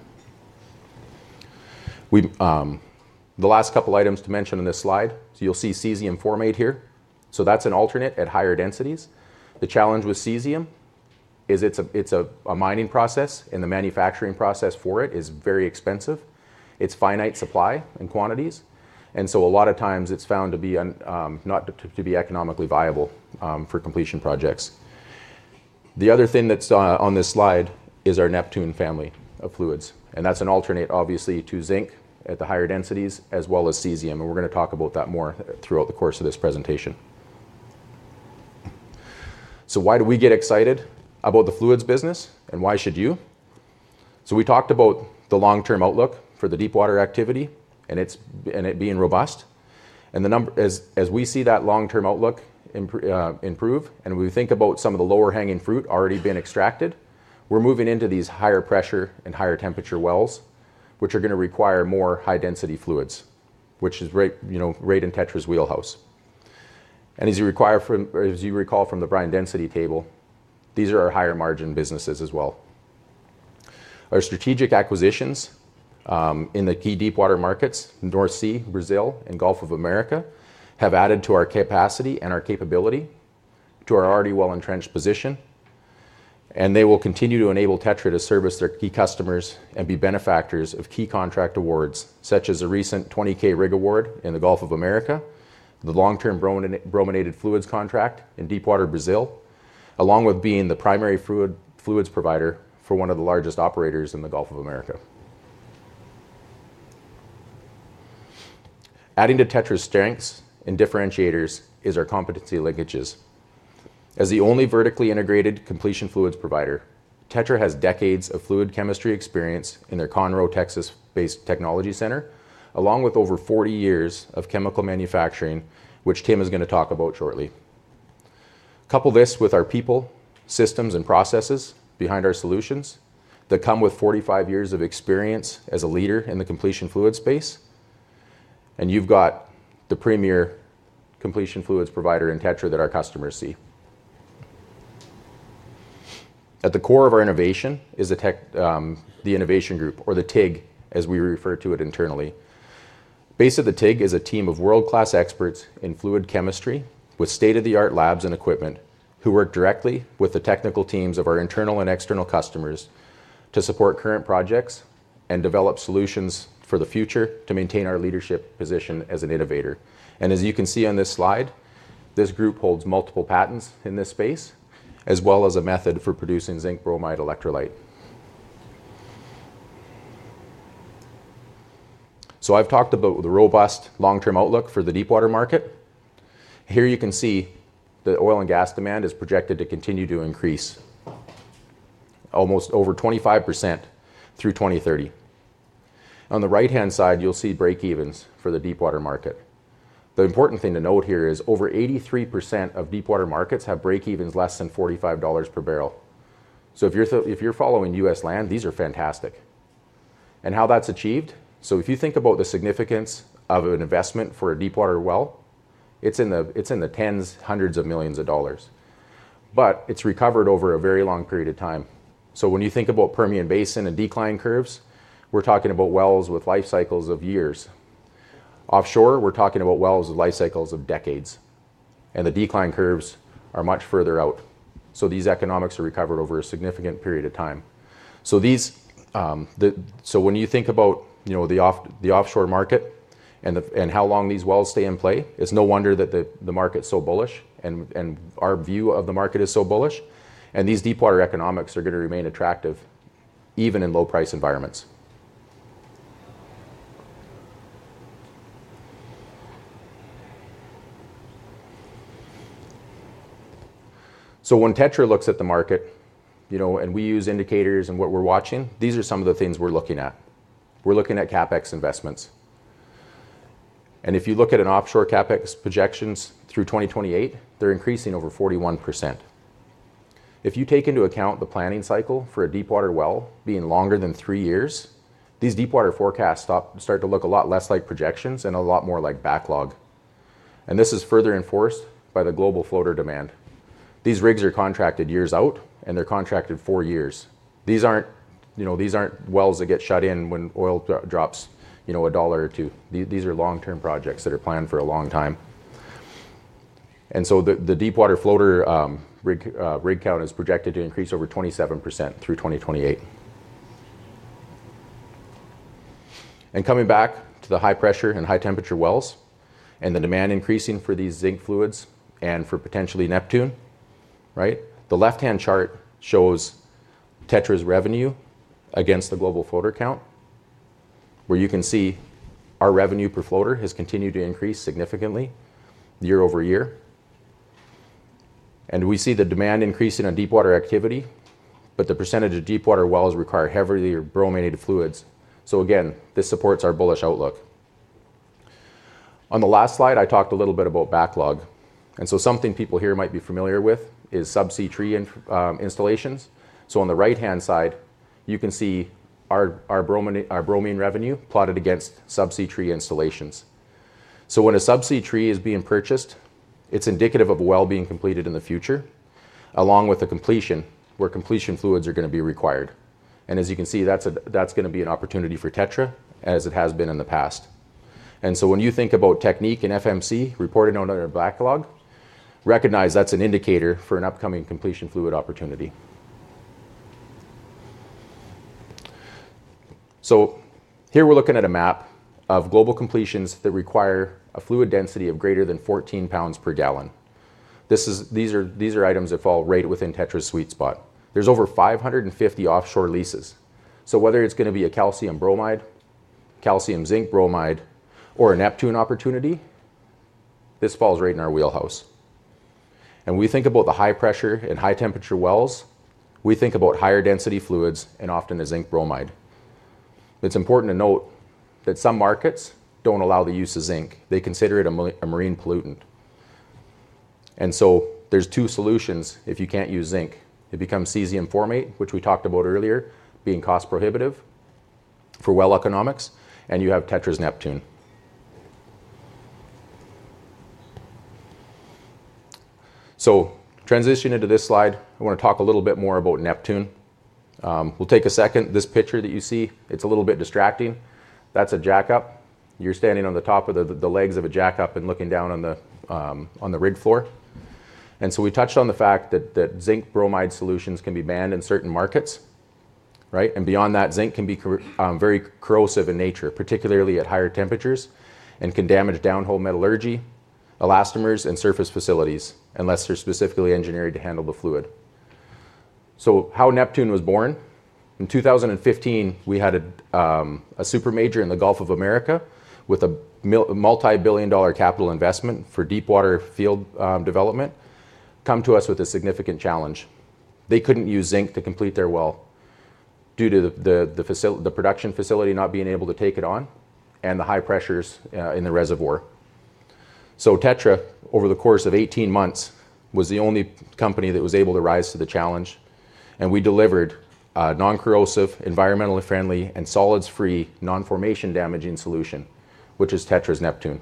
The last couple of items to mention on this slide, you'll see cesium formate here. That's an alternate at higher densities. The challenge with cesium is it's a mining process and the manufacturing process for it is very expensive. It's finite supply and quantities. A lot of times it's found to be not to be economically viable for completion projects. The other thing that's on this slide is our Neptune family of fluids. That's an alternate, obviously, to zinc at the higher densities as well as cesium. We're going to talk about that more throughout the course of this presentation. Why do we get excited about the fluids business and why should you? We talked about the long-term outlook for the deep water activity and it being robust. As we see that long-term outlook improve and we think about some of the lower hanging fruit already being extracted, we're moving into these higher pressure and higher temperature wells, which are going to require more high-density fluids, which is right in TETRA's wheelhouse. As you recall from the brine density table, these are our higher margin businesses as well. Our strategic acquisitions in the key deep water markets, North Sea, Brazil, and Gulf of America have added to our capacity and our capability to our already well-entrenched position. They will continue to enable TETRA to service their key customers and be benefactors of key contract awards, such as a recent 20K rig award in the Gulf of America, the long-term brominated fluids contract in deep water Brazil, along with being the primary fluids provider for one of the largest operators in the Gulf of America. Adding to TETRA's strengths and differentiators is our competency linkages. As the only vertically integrated completion fluids provider, TETRA has decades of fluid chemistry experience in their Conroe, Texas-based technology center, along with over 40 years of chemical manufacturing, which Tim is going to talk about shortly. Couple this with our people, systems, and processes behind our solutions that come with 45 years of experience as a leader in the completion fluid space. You've got the premier completion fluids provider in TETRA that our customers see. At the core of our innovation is the innovation group, or the TIG, as we refer to it internally. The base of the TIG is a team of world-class experts in fluid chemistry with state-of-the-art labs and equipment who work directly with the technical teams of our internal and external customers to support current projects and develop solutions for the future to maintain our leadership position as an innovator. As you can see on this slide, this group holds multiple patents in this space, as well as a method for producing zinc bromide electrolyte. I've talked about the robust long-term outlook for the deep water market. Here you can see the oil and gas demand is projected to continue to increase almost over 25% through 2030. On the right-hand side, you'll see break-evens for the deep water market. The important thing to note here is over 83% of deep water markets have break-evens less than $45 per barrel. If you're following U.S. land, these are fantastic. How is that achieved? If you think about the significance of an investment for a deep water well, it's in the tens, hundreds of millions of dollars, but it's recovered over a very long period of time. When you think about Permian Basin and decline curves, we're talking about wells with life cycles of years. Offshore, we're talking about wells with life cycles of decades, and the decline curves are much further out. These economics are recovered over a significant period of time. When you think about the offshore market and how long these wells stay in play, it's no wonder that the market's so bullish and our view of the market is so bullish. These deep water economics are going to remain attractive even in low-price environments. When TETRA looks at the market, and we use indicators and what we're watching, these are some of the things we're looking at. We're looking at CapEx investments. If you look at offshore CapEx projections through 2028, they're increasing over 41%. If you take into account the planning cycle for a deep water well being longer than three years, these deep water forecasts start to look a lot less like projections and a lot more like backlog. This is further enforced by the global floater demand. These rigs are contracted years out and they're contracted for years. These aren't wells that get shut in when oil drops a dollar or two. These are long-term projects that are planned for a long time. The deep water floater rig count is projected to increase over 27% through 2028. Coming back to the high-pressure and high-temperature wells and the demand increasing for these zinc fluids and for potentially Neptune, right? The left-hand chart shows TETRA Technologies' revenue against the global floater count, where you can see our revenue per floater has continued to increase significantly year over year. We see the demand increasing in deep water activity, but the percentage of deep water wells require heavily brominated fluids. This supports our bullish outlook. On the last slide, I talked a little bit about backlog. Something people here might be familiar with is subsea tree installations. On the right-hand side, you can see our bromine revenue plotted against subsea tree installations. When a subsea tree is being purchased, it's indicative of a well being completed in the future, along with the completion where completion fluids are going to be required. As you can see, that's going to be an opportunity for TETRA Technologies, as it has been in the past. When you think about Technip and FMC reported on a backlog, recognize that's an indicator for an upcoming completion fluid opportunity. Here we're looking at a map of global completions that require a fluid density of greater than 14 pounds per gallon. These are items that fall right within TETRA Technologies' sweet spot. There's over 550 offshore leases. Whether it's going to be a calcium bromide, calcium zinc bromide, or a Neptune opportunity, this falls right in our wheelhouse. We think about the high-pressure and high-temperature wells. We think about higher-density fluids and often the zinc bromide. It's important to note that some markets don't allow the use of zinc. They consider it a marine pollutant. There are two solutions if you can't use zinc. It becomes cesium formate, which we talked about earlier, being cost-prohibitive for well economics, and you have TETRA Technologies' Neptune. Transitioning to this slide, I want to talk a little bit more about Neptune. We'll take a second. This picture that you see, it's a little bit distracting. That's a jackup. You're standing on the top of the legs of a jackup and looking down on the rig floor. We touched on the fact that zinc bromide solutions can be banned in certain markets, right? Beyond that, zinc can be very corrosive in nature, particularly at higher temperatures, and can damage downhole metallurgy, elastomers, and surface facilities unless they're specifically engineered to handle the fluid. How was Neptune born? In 2015, we had a super major in the Gulf of America with a multi-billion dollar capital investment for deep water field development come to us with a significant challenge. They couldn't use zinc to complete their well due to the production facility not being able to take it on and the high pressures in the reservoir. TETRA, over the course of 18 months, was the only company that was able to rise to the challenge. We delivered a non-corrosive, environmentally friendly, and solids-free, non-formation damaging solution, which is TETRA's Neptune.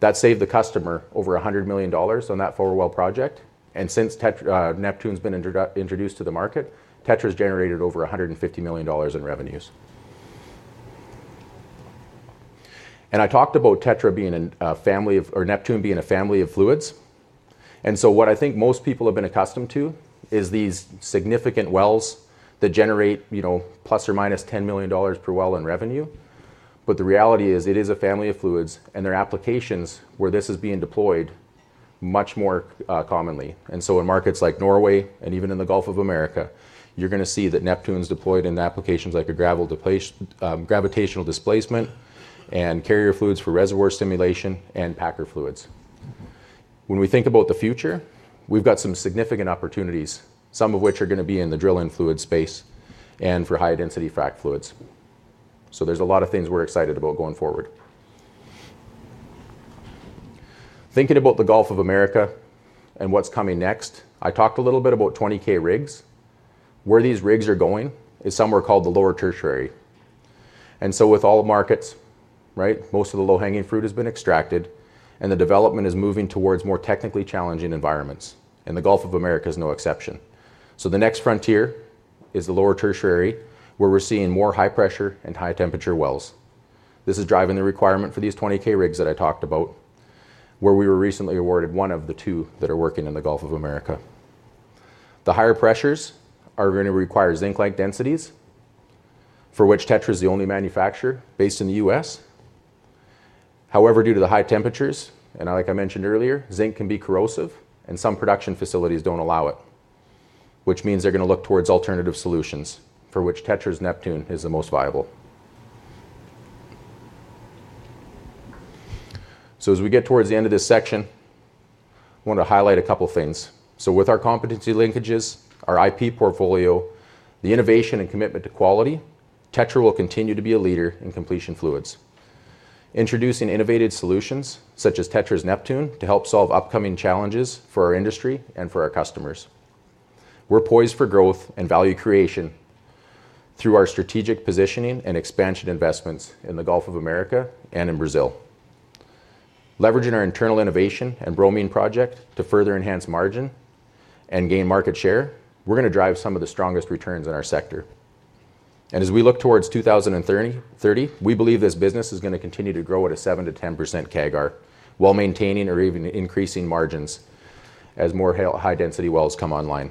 That saved the customer over $100 million on that four-well project. Since Neptune's been introduced to the market, TETRA's generated over $150 million in revenues. I talked about TETRA being a family of, or Neptune being a family of fluids. What I think most people have been accustomed to is these significant wells that generate, you know, plus or minus $10 million per well in revenue. The reality is it is a family of fluids and there are applications where this is being deployed much more commonly. In markets like Norway and even in the Gulf of America, you're going to see that Neptune's deployed in applications like gravitational displacement and carrier fluids for reservoir simulation and packer fluids. When we think about the future, we've got some significant opportunities, some of which are going to be in the drill-in fluid space and for high-density fract fluids. There are a lot of things we're excited about going forward. Thinking about the Gulf of America and what's coming next, I talked a little bit about 20K rigs. Where these rigs are going is somewhere called the lower tertiary. With all markets, most of the low-hanging fruit has been extracted and the development is moving towards more technically challenging environments. The Gulf of America is no exception. The next frontier is the lower tertiary where we're seeing more high-pressure and high-temperature wells. This is driving the requirement for these 20K rigs that I talked about, where we were recently awarded one of the two that are working in the Gulf of America. The higher pressures are going to require zinc-like densities, for which TETRA is the only manufacturer based in the U.S. However, due to the high temperatures, and like I mentioned earlier, zinc can be corrosive and some production facilities don't allow it, which means they're going to look towards alternative solutions, for which TETRA's Neptune is the most viable. As we get towards the end of this section, I want to highlight a couple of things. With our competency linkages, our IP portfolio, the innovation and commitment to quality, TETRA will continue to be a leader in completion fluids, introducing innovative solutions such as TETRA's Neptune to help solve upcoming challenges for our industry and for our customers. We're poised for growth and value creation through our strategic positioning and expansion investments in the Gulf of America and in Brazil. Leveraging our internal innovation and bromine project to further enhance margin and gain market share, we're going to drive some of the strongest returns in our sector. As we look towards 2030, we believe this business is going to continue to grow at a 7% to 10% CAGR while maintaining or even increasing margins as more high-density wells come online.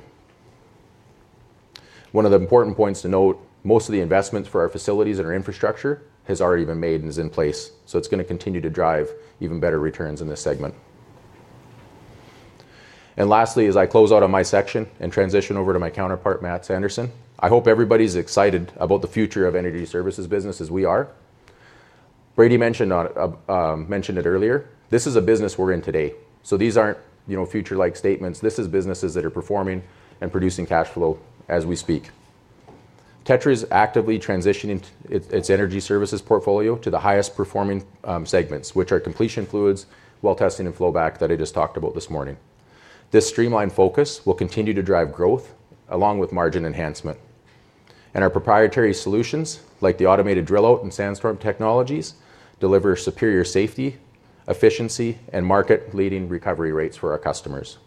One of the important points to note, most of the investment for our facilities and our infrastructure has already been made and is in place. It's going to continue to drive even better returns in this segment. Lastly, as I close out on my section and transition over to my counterpart, Matt Sanderson, I hope everybody's excited about the future of energy services business as we are. Brady mentioned it earlier. This is a business we're in today. These aren't future-like statements. This is businesses that are performing and producing cash flow as we speak. TETRA is actively transitioning its energy services portfolio to the highest performing segments, which are completion fluids, well testing, and flowback that I just talked about this morning. This streamlined focus will continue to drive growth along with margin enhancement. Our proprietary solutions, like the automated drill-out and sandstorm technologies, deliver superior safety, efficiency, and market-leading recovery rates for our customers.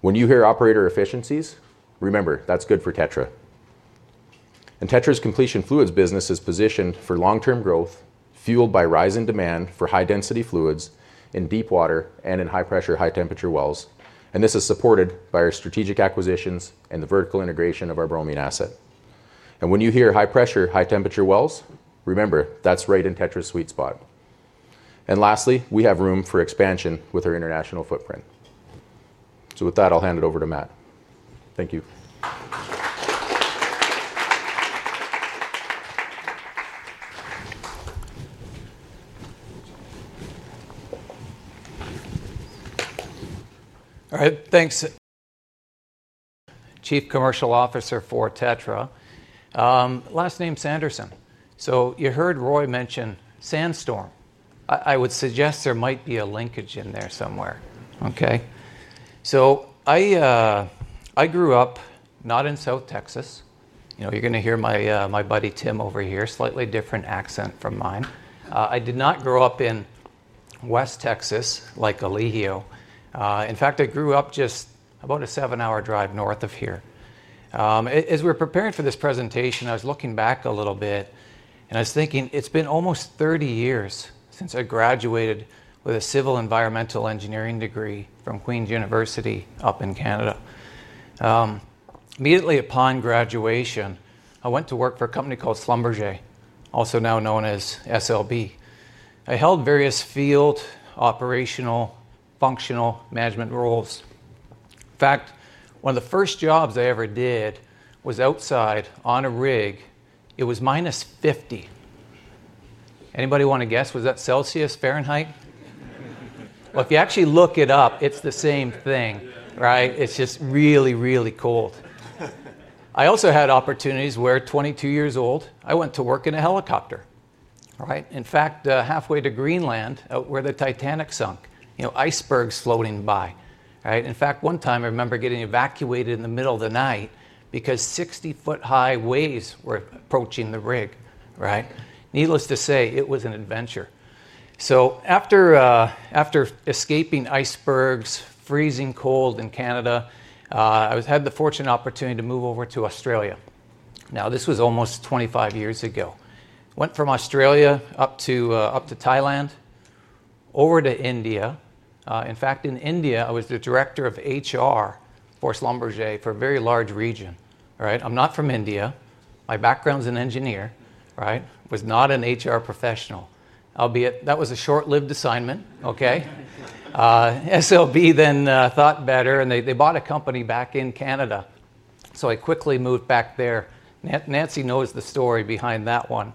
When you hear operator efficiencies, remember that's good for TETRA. TETRA's completion fluids business is positioned for long-term growth, fueled by rise in demand for high-density fluids in deep water and in high-pressure, high-temperature wells. This is supported by our strategic acquisitions and the vertical integration of our bromine asset. When you hear high-pressure, high-temperature wells, remember that's right in TETRA's sweet spot. Lastly, we have room for expansion with our international footprint. With that, I'll hand it over to Matt. Thank you. All right. Thanks, Chief Commercial Officer for TETRA. Last name Sanderson. You heard Roy mention sandstorm. I would suggest there might be a linkage in there somewhere. I grew up not in South Texas. You know, you're going to hear my buddy Tim over here, slightly different accent from mine. I did not grow up in West Texas, like Elijio. In fact, I grew up just about a seven-hour drive north of here. As we were preparing for this presentation, I was looking back a little bit and I was thinking it's been almost 30 years since I graduated with a civil environmental engineering degree from Queen's University up in Canada. Immediately upon graduation, I went to work for a company called Schlumberger, also now known as SLB. I held various field operational functional management roles. In fact, one of the first jobs I ever did was outside on a rig. It was minus 50. Anybody want to guess? Was that Celsius, Fahrenheit? If you actually look it up, it's the same thing, right? It's just really, really cold. I also had opportunities where, 22 years old, I went to work in a helicopter. In fact, halfway to Greenland, where the Titanic sunk, you know, icebergs floating by. In fact, one time I remember getting evacuated in the middle of the night because 60-foot high waves were approaching the rig. Needless to say, it was an adventure. After escaping icebergs, freezing cold in Canada, I had the fortunate opportunity to move over to Australia. This was almost 25 years ago. Went from Australia up to Thailand, over to India. In fact, in India, I was the Director of HR for Schlumberger for a very large region. I'm not from India. My background is an engineer. Was not an HR professional, albeit that was a short-lived assignment. SLB then thought better, and they bought a company back in Canada. I quickly moved back there. Nancy knows the story behind that one.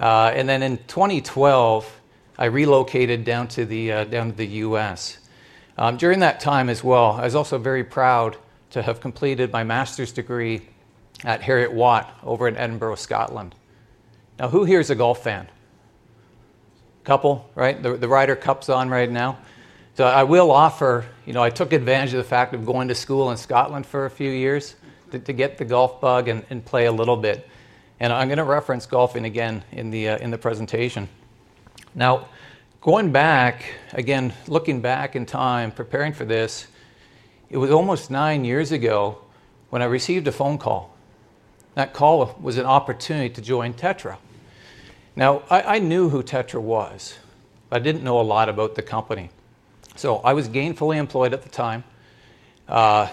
In 2012, I relocated down to the U.S. During that time as well, I was also very proud to have completed my master's degree at Heriot-Watt over in Edinburgh, Scotland. Who here is a golf fan? Couple, right? The Ryder Cup's on right now. I will offer, I took advantage of the fact of going to school in Scotland for a few years to get the golf bug and play a little bit. I'm going to reference golfing again in the presentation. Now, going back, again, looking back in time, preparing for this, it was almost nine years ago when I received a phone call. That call was an opportunity to join TETRA. I knew who TETRA was, but I didn't know a lot about the company. I was gainfully employed at the time, a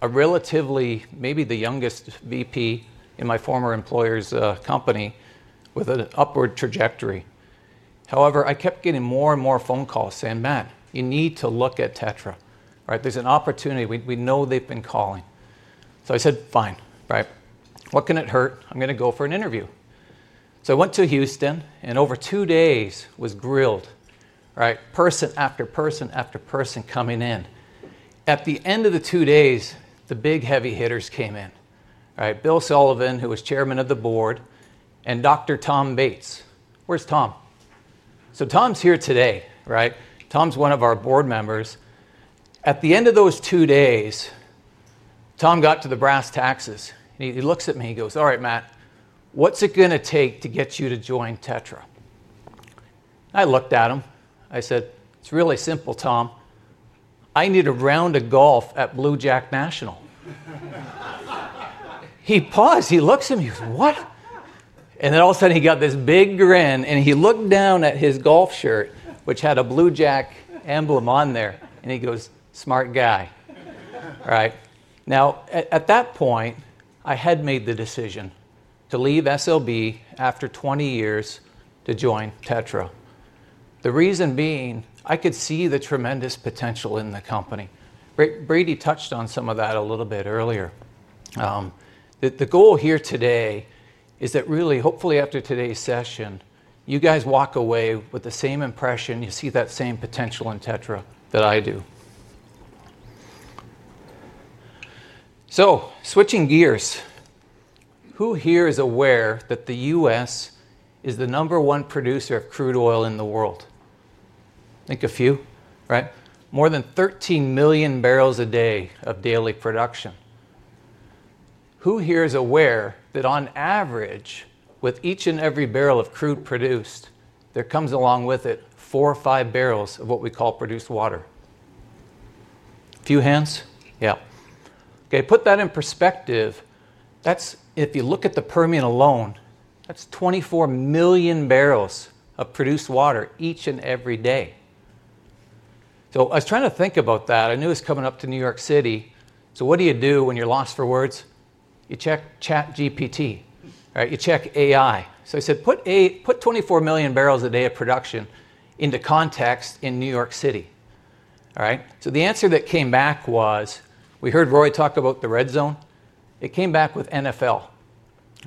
relatively, maybe the youngest VP in my former employer's company with an upward trajectory. I kept getting more and more phone calls saying, "Matt, you need to look at TETRA. There's an opportunity. We know they've been calling." I said, "Fine. Right. What can it hurt? I'm going to go for an interview." I went to Houston and over two days was grilled. Person after person after person coming in. At the end of the two days, the big heavy hitters came in. Bill Sullivan, who was Chairman of the Board, and Dr. Tom Bates. Where's Tom? Tom's here today. Tom's one of our board members. At the end of those two days, Tom got to the brass tacks. He looks at me. He goes, "All right, Matt. What's it going to take to get you to join TETRA?" I looked at him. I said, "It's really simple, Tom. I need a round of golf at Blue Jack National." He paused. He looks at me. He goes, "What?" Then all of a sudden, he got this big grin and he looked down at his golf shirt, which had a Blue Jack emblem on there, and he goes, "Smart guy." At that point, I had made the decision to leave SLB after 20 years to join TETRA. The reason being, I could see the tremendous potential in the company. Brady touched on some of that a little bit earlier. The goal here today is that really, hopefully, after today's session, you guys walk away with the same impression, you see that same potential in TETRA that I do. Switching gears, who here is aware that the U.S. is the number one producer of crude oil in the world? Think a few, right? More than 13 million barrels a day of daily production. Who here is aware that on average, with each and every barrel of crude produced, there comes along with it four or five barrels of what we call produced water? Few hands? Yeah. Put that in perspective. If you look at the Permian alone, that's 24 million barrels of produced water each and every day. I was trying to think about that. I knew it was coming up to New York City. What do you do when you're lost for words? You check ChatGPT. You check AI. I said, "Put 24 million barrels a day of production into context in New York City." All right. The answer that came back was, we heard Roy talk about the red zone. It came back with NFL.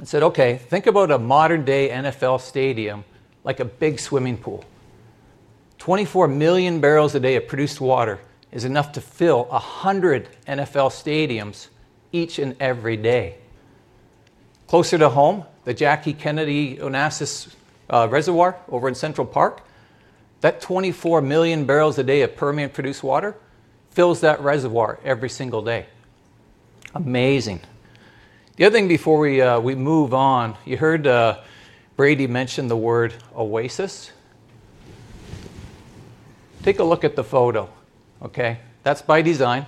I said, "Okay, think about a modern-day NFL stadium like a big swimming pool. 24 million barrels a day of produced water is enough to fill 100 NFL stadiums each and every day. Closer to home, the Jackie Kennedy Onassis Reservoir over in Central Park, that 24 million barrels a day of Permian produced water fills that reservoir every single day. Amazing. The other thing before we move on, you heard Brady mention the word oasis. Take a look at the photo. Okay. That's by design.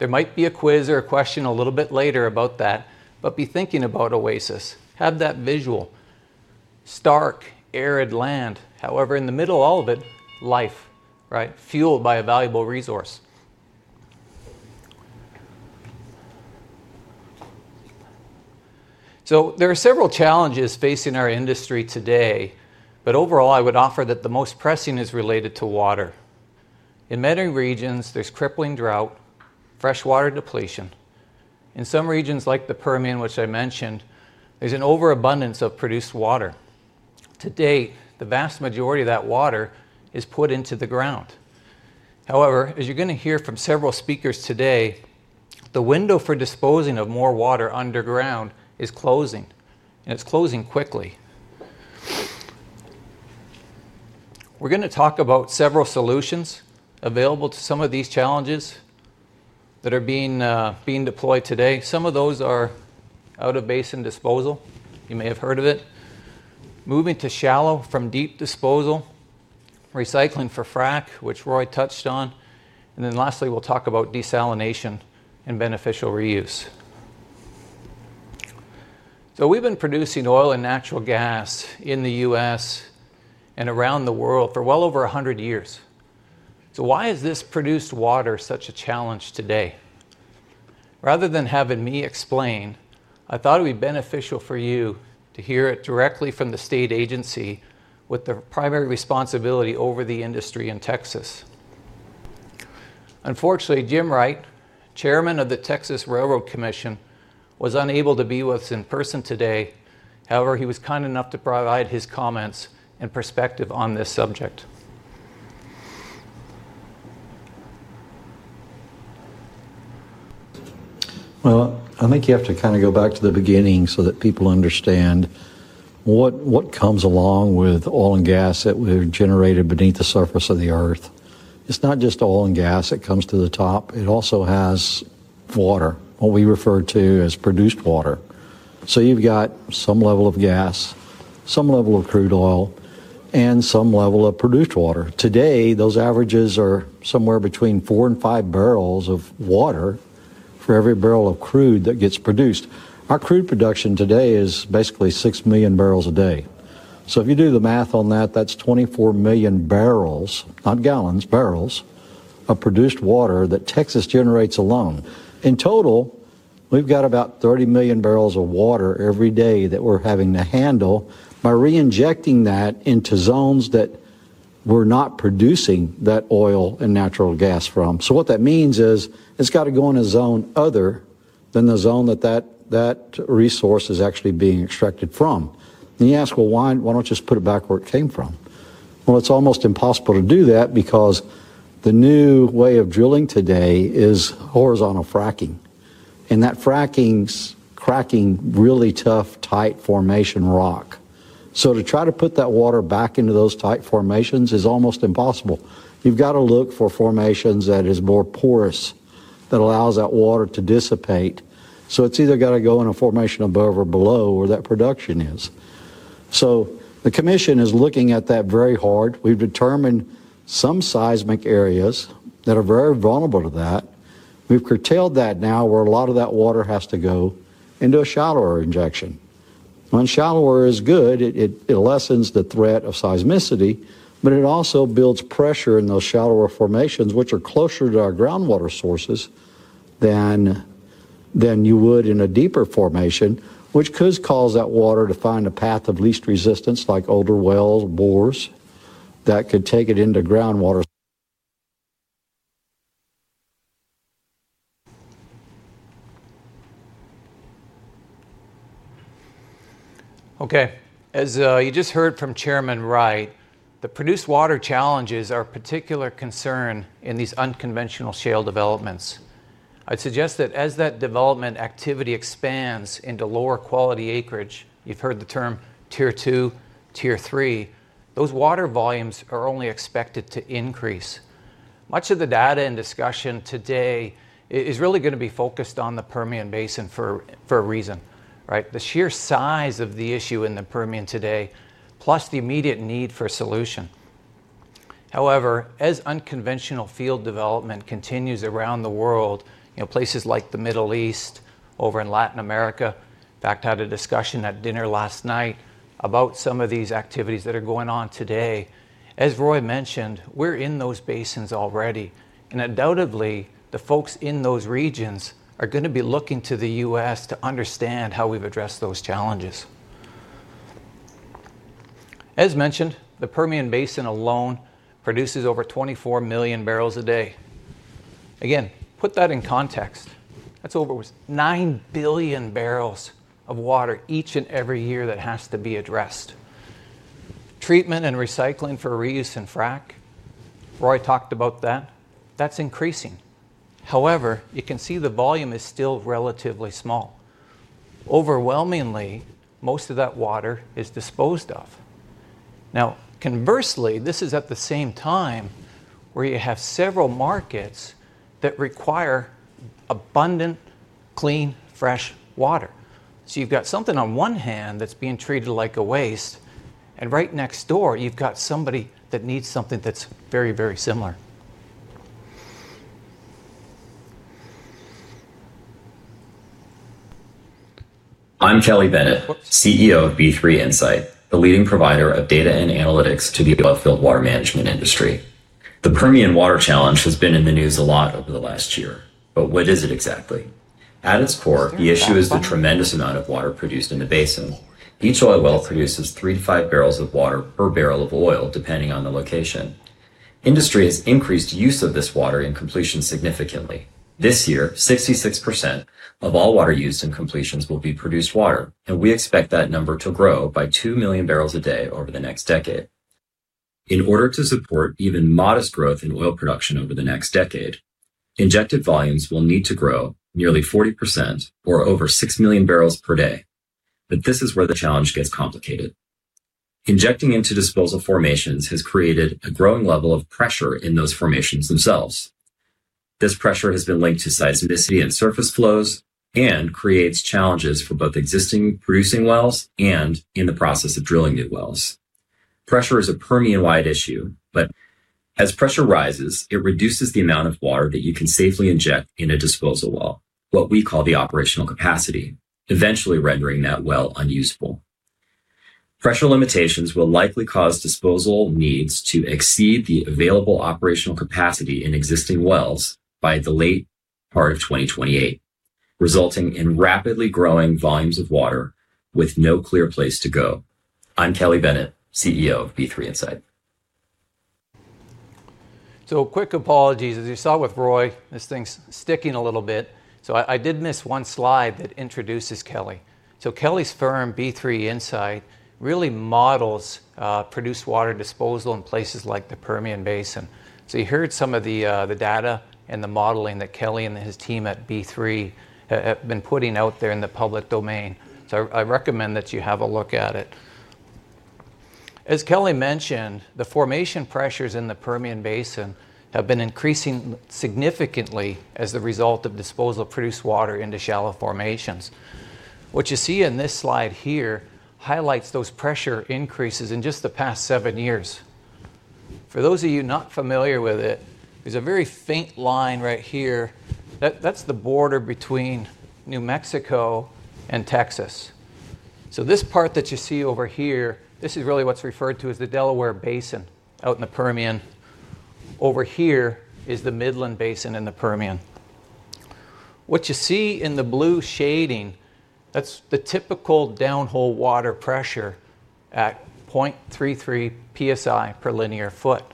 There might be a quiz or a question a little bit later about that, but be thinking about oasis. Have that visual. Stark, arid land. However, in the middle of all of it, life, right, fueled by a valuable resource. There are several challenges facing our industry today, but overall, I would offer that the most pressing is related to water. In many regions, there's crippling drought, freshwater depletion. In some regions like the Permian, which I mentioned, there's an overabundance of produced water. Today, the vast majority of that water is put into the ground. However, as you're going to hear from several speakers today, the window for disposing of more water underground is closing, and it's closing quickly. We're going to talk about several solutions available to some of these challenges that are being deployed today. Some of those are out of basin disposal. You may have heard of it. Moving to shallow from deep disposal, recycling for frac, which Roy touched on. Lastly, we'll talk about desalination and beneficial reuse. We've been producing oil and natural gas in the U.S. and around the world for well over 100 years. Why is this produced water such a challenge today? Rather than having me explain, I thought it would be beneficial for you to hear it directly from the state agency with the primary responsibility over the industry in Texas. Unfortunately, Jim Wright, Chairman of the Texas Railroad Commission, was unable to be with us in person today. However, he was kind enough to provide his comments and perspective on this subject. I think you have to kind of go back to the beginning so that people understand what comes along with oil and gas that we've generated beneath the surface of the Earth. It's not just oil and gas that comes to the top. It also has water, what we refer to as produced water. You've got some level of gas, some level of crude oil, and some level of produced water. Today, those averages are somewhere between four and five barrels of water for every barrel of crude that gets produced. Our crude production today is basically six million barrels a day. If you do the math on that, that's 24 million barrels, not gallons, barrels of produced water that Texas generates alone. In total, we've got about 30 million barrels of water every day that we're having to handle by reinjecting that into zones that we're not producing that oil and natural gas from. What that means is it's got to go in a zone other than the zone that that resource is actually being extracted from. You ask, why don't you just put it back where it came from? It's almost impossible to do that because the new way of drilling today is horizontal fracking. That fracking is cracking really tough, tight formation rock. To try to put that water back into those tight formations is almost impossible. You've got to look for formations that are more porous that allow that water to dissipate. It's either got to go in a formation above or below where that production is. The commission is looking at that very hard. We've determined some seismic areas that are very vulnerable to that. We've curtailed that now where a lot of that water has to go into a shallower injection. When shallower is good, it lessens the threat of seismicity, but it also builds pressure in those shallower formations, which are closer to our groundwater sources than. you would in a deeper formation, which could cause that water to find a path of least resistance, like older wells, bores, that could take it into groundwater. Okay. As you just heard from Chairman Wright, the produced water challenges are a particular concern in these unconventional shale developments. I suggest that as that development activity expands into lower quality acreage, you've heard the term Tier 2, Tier 3, those water volumes are only expected to increase. Much of the data and discussion today is really going to be focused on the Permian for a reason, right? The sheer size of the issue in the Permian today, plus the immediate need for a solution. However, as unconventional field development continues around the world, you know, places like the Middle East, over in Latin America, in fact, I had a discussion at dinner last night about some of these activities that are going on today. As Roy mentioned, we're in those basins already. Undoubtedly, the folks in those regions are going to be looking to the U.S. to understand how we've addressed those challenges. As mentioned, the Permian alone produces over 24 million barrels a day. Again, put that in context. That's over 9 billion barrels of water each and every year that has to be addressed. Treatment and recycling for reuse and frack, Roy talked about that, that's increasing. However, you can see the volume is still relatively small. Overwhelmingly, most of that water is disposed of. Conversely, this is at the same time where you have several markets that require abundant, clean, fresh water. You've got something on one hand that's being treated like a waste, and right next door, you've got somebody that needs something that's very, very similar. I'm Kelly Bennett, CEO of B3 Insight, the leading provider of data and analytics to the oilfield water management industry. The Permian water challenge has been in the news a lot over the last year, but what is it exactly? At its core, the issue is the tremendous amount of water produced in the basin. Each oil well produces 3 to 5 barrels of water per barrel of oil, depending on the location. The industry has increased use of this water in completions significantly. This year, 66% of all water used in completions will be produced water, and we expect that number to grow by 2 million barrels a day over the next decade. In order to support even modest growth in oil production over the next decade, injected volumes will need to grow nearly 40% or over 6 million barrels per day. This is where the challenge gets complicated. Injecting into disposal formations has created a growing level of pressure in those formations themselves. This pressure has been linked to seismicity and surface flows and creates challenges for both existing producing wells and in the process of drilling new wells. Pressure is a Permian-wide issue, but as pressure rises, it reduces the amount of water that you can safely inject in a disposal well, what we call the operational capacity, eventually rendering that well unusable. Pressure limitations will likely cause disposal needs to exceed the available operational capacity in existing wells by the late part of 2028, resulting in rapidly growing volumes of water with no clear place to go. I'm Kelly Bennett, CEO of B3 Insight. Quick apologies, as you saw with Roy, this thing's sticking a little bit. I did miss one slide that introduces Kelly. Kelly's firm, B3 Insight, really models produced water disposal in places like the Permian Basin. You heard some of the data and the modeling that Kelly and his team at B3 have been putting out there in the public domain. I recommend that you have a look at it. As Kelly mentioned, the formation pressures in the Permian Basin have been increasing significantly as the result of disposal produced water into shallow formations. What you see in this slide here highlights those pressure increases in just the past seven years. For those of you not familiar with it, there's a very faint line right here. That's the border between New Mexico and Texas. This part that you see over here, this is really what's referred to as the Delaware Basin out in the Permian. Over here is the Midland Basin in the Permian. What you see in the blue shading, that's the typical downhole water pressure at 0.33 psi per linear foot.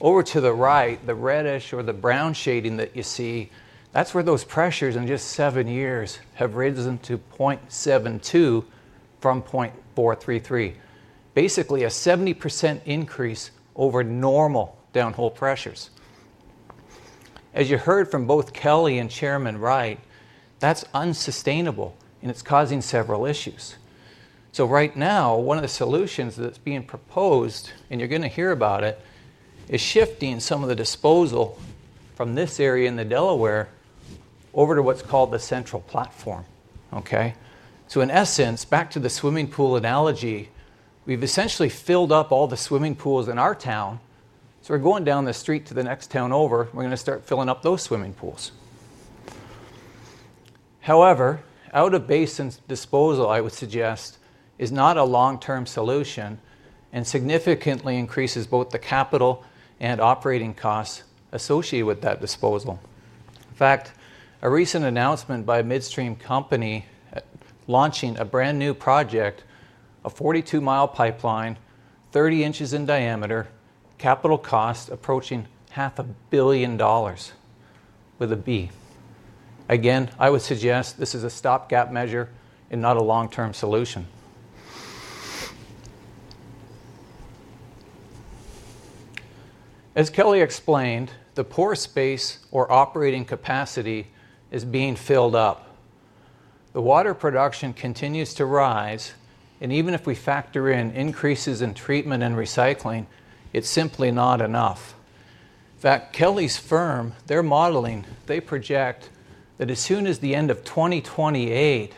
Over to the right, the reddish or the brown shading that you see, that's where those pressures in just seven years have risen to 0.72 from 0.433. Basically, a 70% increase over normal downhole pressures. As you heard from both Kelly and Chairman Wright, that's unsustainable, and it's causing several issues. Right now, one of the solutions that's being proposed, and you're going to hear about it, is shifting some of the disposal from this area in the Delaware over to what's called the Central Platform. In essence, back to the swimming pool analogy, we've essentially filled up all the swimming pools in our town. We're going down the street to the next town over, we're going to start filling up those swimming pools. However, out of basins disposal, I would suggest, is not a long-term solution and significantly increases both the capital and operating costs associated with that disposal. In fact, a recent announcement by a midstream company launching a brand new project, a 42-mile pipeline, 30 inches in diameter, capital cost approaching $0.5 billion, with a B. Again, I would suggest this is a stopgap measure and not a long-term solution. As Kelly explained, the pore space or operating capacity is being filled up. The water production continues to rise, and even if we factor in increases in treatment and recycling, it's simply not enough. In fact, Kelly's firm, their modeling, they project that as soon as the end of 2028,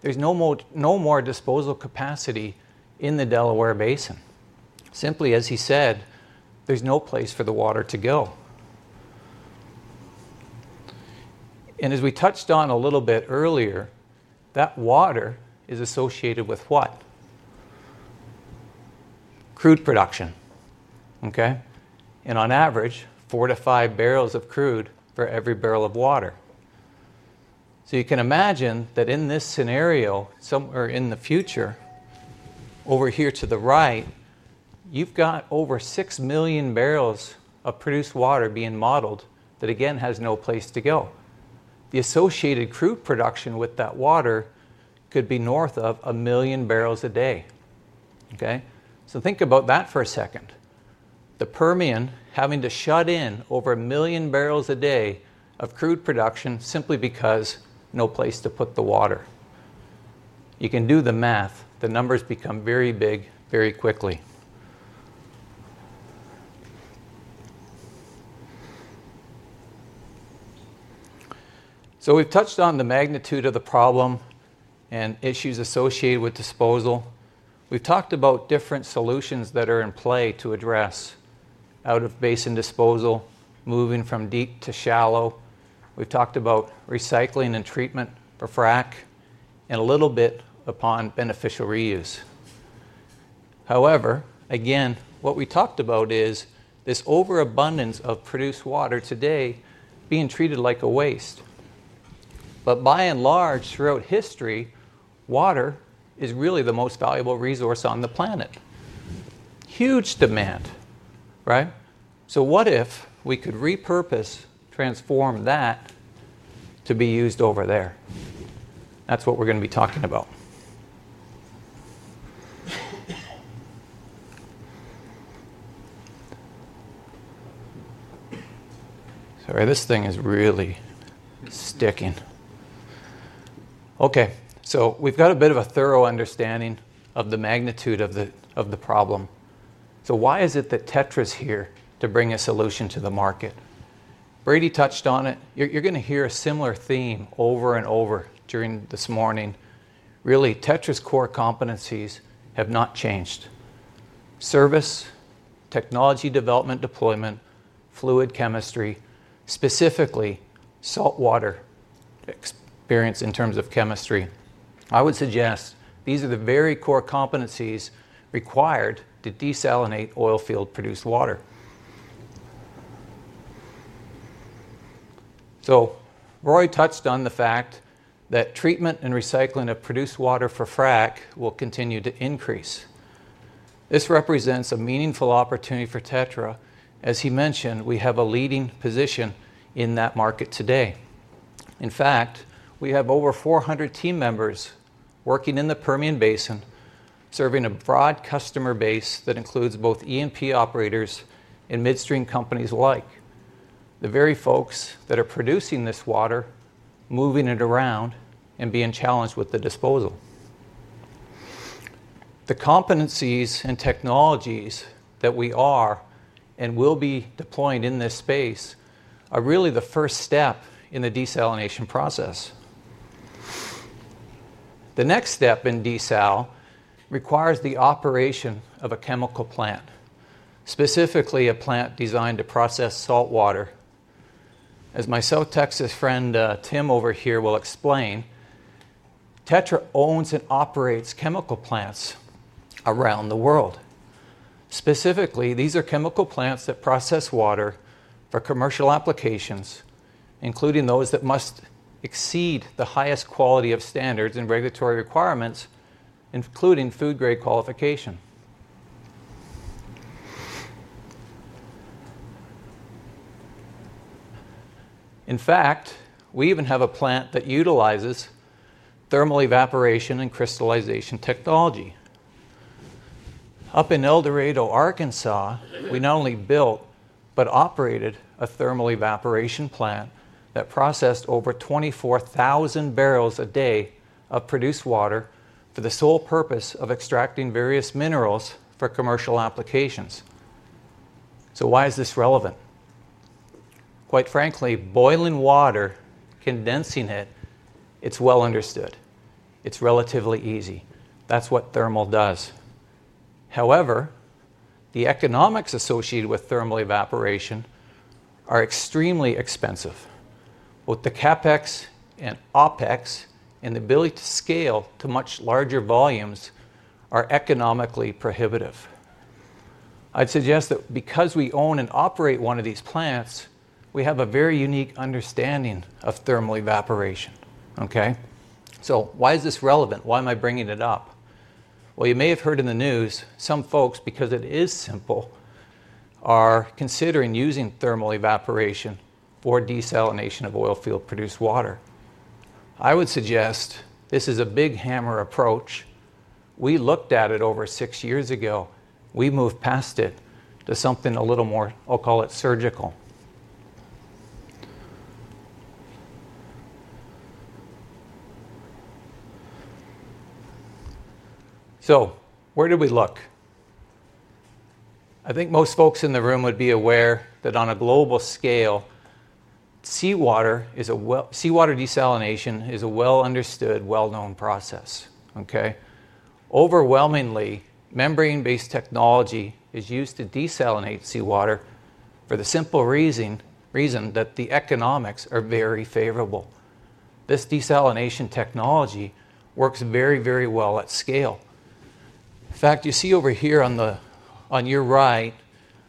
there's no more disposal capacity in the Delaware Basin. Simply, as he said, there's no place for the water to go. As we touched on a little bit earlier, that water is associated with what? Crude production. On average, four to five barrels of crude for every barrel of water. You can imagine that in this scenario, somewhere in the future, over here to the right, you've got over 6 million barrels of produced water being modeled that again has no place to go. The associated crude production with that water could be north of a million barrels a day. Think about that for a second. The Permian having to shut in over a million barrels a day of crude production simply because no place to put the water. You can do the math, the numbers become very big very quickly. We've touched on the magnitude of the problem and issues associated with disposal. We've talked about different solutions that are in play to address out of basin disposal, moving from deep to shallow. We've talked about recycling and treatment for frack and a little bit upon beneficial reuse. What we talked about is this overabundance of produced water today being treated like a waste. By and large, throughout history, water is really the most valuable resource on the planet. Huge demand, right? What if we could repurpose, transform that to be used over there? That's what we're going to be talking about. Sorry, this thing is really sticking. We've got a bit of a thorough understanding of the magnitude of the problem. Why is it that TETRA is here to bring a solution to the market? Brady touched on it. You're going to hear a similar theme over and over during this morning. Really, TETRA's core competencies have not changed: service, technology development, deployment, fluid chemistry, specifically saltwater experience in terms of chemistry. I would suggest these are the very core competencies required to desalinate oilfield produced water. Roy touched on the fact that treatment and recycling of produced water for frack will continue to increase. This represents a meaningful opportunity for TETRA. As he mentioned, we have a leading position in that market today. In fact, we have over 400 team members working in the Permian Basin, serving a broad customer base that includes both EMP operators and midstream companies alike. The very folks that are producing this water, moving it around, and being challenged with the disposal. The competencies and technologies that we are and will be deploying in this space are really the first step in the desalination process. The next step in desal requires the operation of a chemical plant, specifically a plant designed to process saltwater. As my South Texas friend, Tim, over here will explain, TETRA owns and operates chemical plants around the world. Specifically, these are chemical plants that process water for commercial applications, including those that must exceed the highest quality of standards and regulatory requirements, including food-grade qualification. In fact, we even have a plant that utilizes thermal evaporation and crystallization technology. Up in El Dorado, Arkansas, we not only built but operated a thermal evaporation plant that processed over 24,000 barrels a day of produced water for the sole purpose of extracting various minerals for commercial applications. Why is this relevant? Quite frankly, boiling water, condensing it, it's well understood. It's relatively easy. That's what thermal does. However, the economics associated with thermal evaporation are extremely expensive. Both the CapEx and OpEx and the ability to scale to much larger volumes are economically prohibitive. I'd suggest that because we own and operate one of these plants, we have a very unique understanding of thermal evaporation. Okay? Why is this relevant? Why am I bringing it up? You may have heard in the news, some folks, because it is simple, are considering using thermal evaporation for desalination of oilfield produced water. I would suggest this is a big hammer approach. We looked at it over six years ago. We moved past it to something a little more, I'll call it surgical. Where do we look? I think most folks in the room would be aware that on a global scale, seawater desalination is a well-understood, well-known process. Overwhelmingly, membrane-based technology is used to desalinate seawater for the simple reason that the economics are very favorable. This desalination technology works very, very well at scale. In fact, you see over here on your right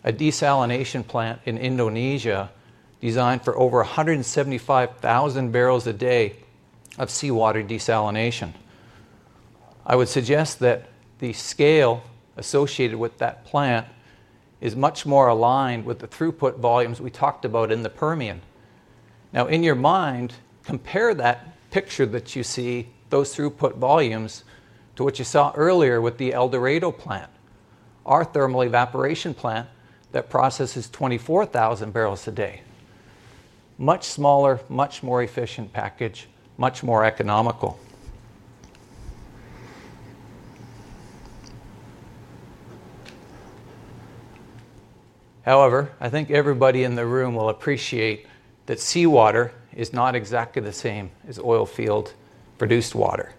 a desalination plant in Indonesia designed for over 175,000 barrels a day of seawater desalination. I would suggest that the scale associated with that plant is much more aligned with the throughput volumes we talked about in the Permian. Now, in your mind, compare that picture that you see, those throughput volumes, to what you saw earlier with the El Dorado plant, our thermal evaporation plant that processes 24,000 barrels a day. Much smaller, much more efficient package, much more economical. However, I think everybody in the room will appreciate that seawater is not exactly the same as oilfield produced water.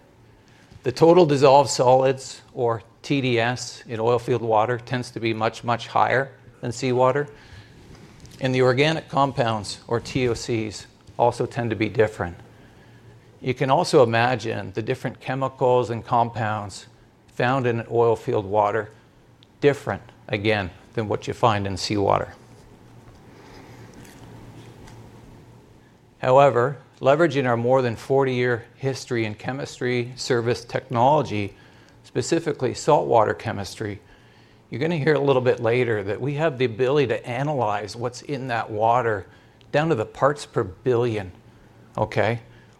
The total dissolved solids, or TDS, in oilfield water tends to be much, much higher than seawater. The organic compounds, or TOCs, also tend to be different. You can also imagine the different chemicals and compounds found in oilfield water different, again, than what you find in seawater. However, leveraging our more than 40-year history in chemistry, service technology, specifically saltwater chemistry, you're going to hear a little bit later that we have the ability to analyze what's in that water down to the parts per billion.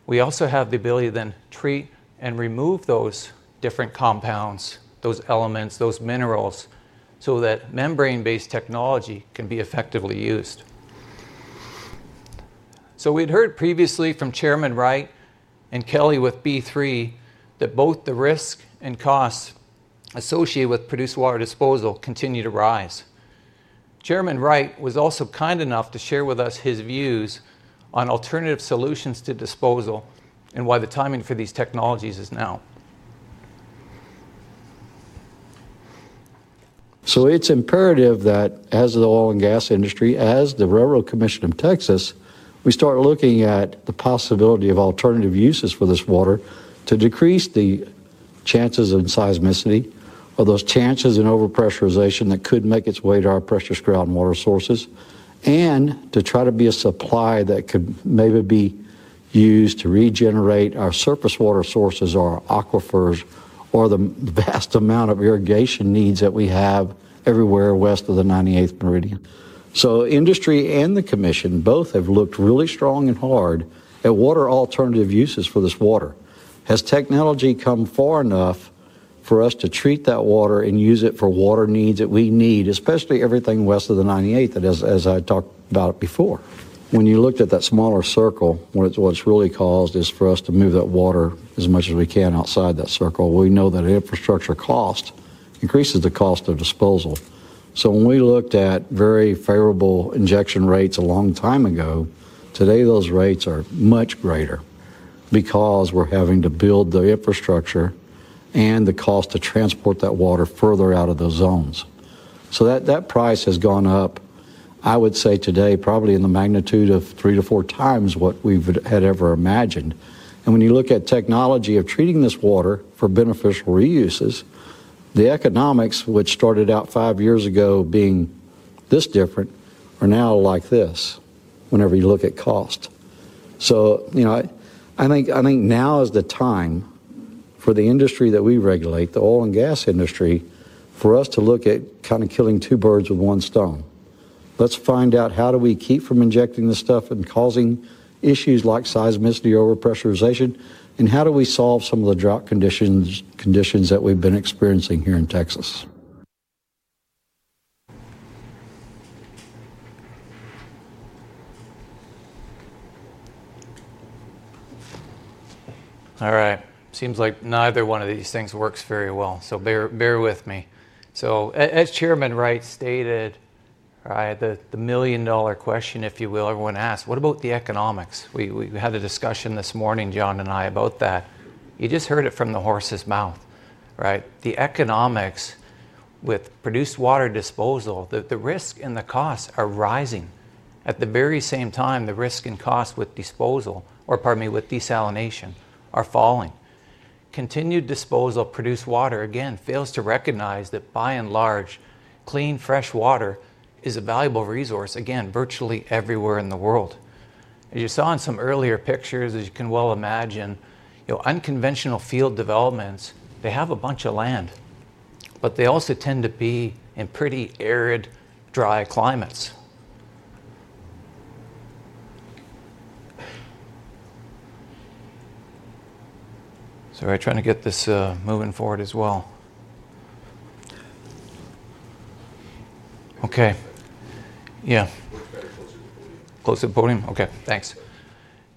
We also have the ability to then treat and remove those different compounds, those elements, those minerals, so that membrane-based technology can be effectively used. We heard previously from Chairman Wright and Kelly with B3 that both the risk and costs associated with produced water disposal continue to rise. Chairman Wright was also kind enough to share with us his views on alternative solutions to disposal and why the timing for these technologies is now. It's imperative that, as the oil and gas industry, as the Federal Commission of Texas, we start looking at the possibility of alternative uses for this water to decrease the chances of seismicity or those chances in overpressurization that could make its way to our pressure-stressed groundwater sources, and to try to be a supply that could maybe be used to regenerate our surface water sources or aquifers or the vast amount of irrigation needs that we have everywhere west of the 98th meridian. Industry and the Commission both have looked really strong and hard at what are alternative uses for this water. Has technology come far enough for us to treat that water and use it for water needs that we need, especially everything west of the 98th, as I talked about it before? When you looked at that smaller circle, what it's really caused is for us to move that water as much as we can outside that circle. We know that infrastructure cost increases the cost of disposal. When we looked at very favorable injection rates a long time ago, today, those rates are much greater because we're having to build the infrastructure and the cost to transport that water further out of those zones. That price has gone up, I would say today, probably in the magnitude of three to four times what we had ever imagined. When you look at technology of treating this water for beneficial reuses, the economics, which started out five years ago being this different, are now like this whenever you look at cost. I think now is the time for the industry that we regulate, the oil and gas industry, for us to look at kind of killing two birds with one stone. Let's find out how do we keep from injecting this stuff and causing issues like seismicity, overpressurization, and how do we solve some of the drought conditions that we've been experiencing here in Texas. All right. Seems like neither one of these things works very well. Bear with me. As Chairman Wright stated, the million-dollar question, if you will, everyone asks, what about the economics? We had a discussion this morning, John and I, about that. You just heard it from the horse's mouth, right? The economics with produced water disposal, the risk and the costs are rising. At the very same time, the risk and costs with disposal, or pardon me, with desalination, are falling. Continued disposal of produced water, again, fails to recognize that by and large, clean, fresh water is a valuable resource, again, virtually everywhere in the world. As you saw in some earlier pictures, as you can well imagine, unconventional field developments have a bunch of land, but they also tend to be in pretty arid, dry climates. Sorry, trying to get this moving forward as well. Okay. Yeah. Close the podium? Okay, thanks.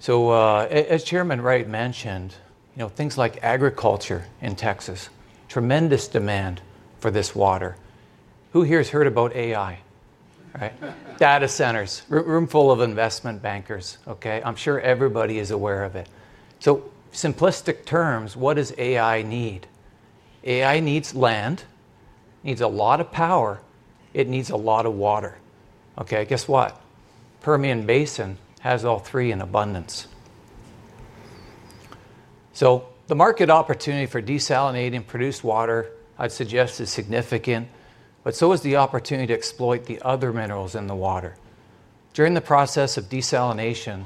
As Chairman Wright mentioned, things like agriculture in Texas, tremendous demand for this water. Who here has heard about AI? Data centers, room full of investment bankers, okay? I'm sure everybody is aware of it. In simplistic terms, what does AI need? AI needs land, needs a lot of power, it needs a lot of water. Guess what? The Permian Basin has all three in abundance. The market opportunity for desalinating produced water, I'd suggest, is significant, but so is the opportunity to exploit the other minerals in the water. During the process of desalination,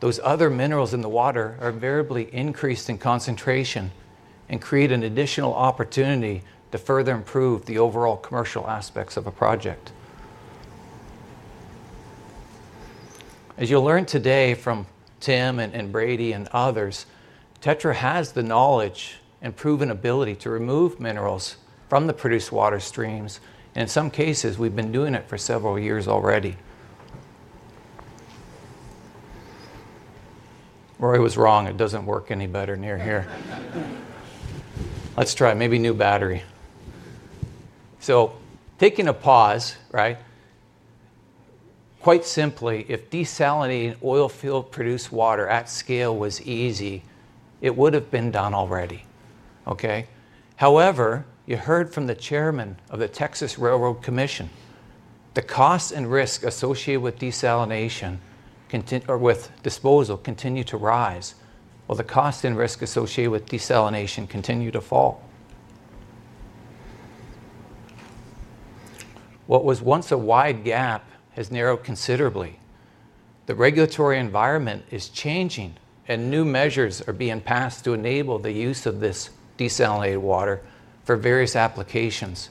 those other minerals in the water are variably increased in concentration and create an additional opportunity to further improve the overall commercial aspects of a project. As you'll learn today from Tim and Brady and others, TETRA Technologies has the knowledge and proven ability to remove minerals from the produced water streams. In some cases, we've been doing it for several years already. Roy was wrong. It doesn't work any better near here. Let's try. Maybe new battery. Taking a pause, quite simply, if desalinating oilfield produced water at scale was easy, it would have been done already. However, you heard from the Chairman of the Texas Railroad Commission, the costs and risks associated with disposal continue to rise, while the costs and risks associated with desalination continue to fall. What was once a wide gap has narrowed considerably. The regulatory environment is changing, and new measures are being passed to enable the use of this desalinated water for various applications.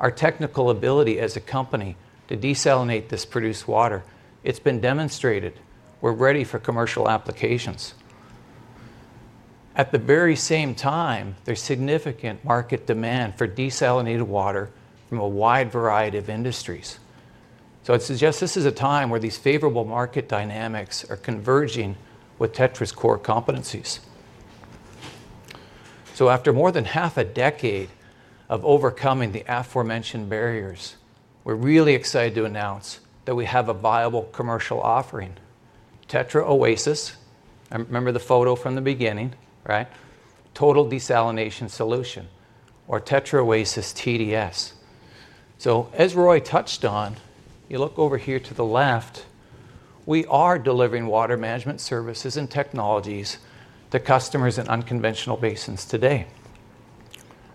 Our technical ability as a company to desalinate this produced water, it's been demonstrated. We're ready for commercial applications. At the very same time, there's significant market demand for desalinated water from a wide variety of industries. I'd suggest this is a time where these favorable market dynamics are converging with TETRA's core competencies. After more than half a decade of overcoming the aforementioned barriers, we're really excited to announce that we have a viable commercial offering. TETRA OASIS, I remember the photo from the beginning, right? Total Desalination Solution, or TETRA OASIS TDS. As Roy touched on, you look over here to the left, we are delivering water management services and technologies to customers in unconventional basins today.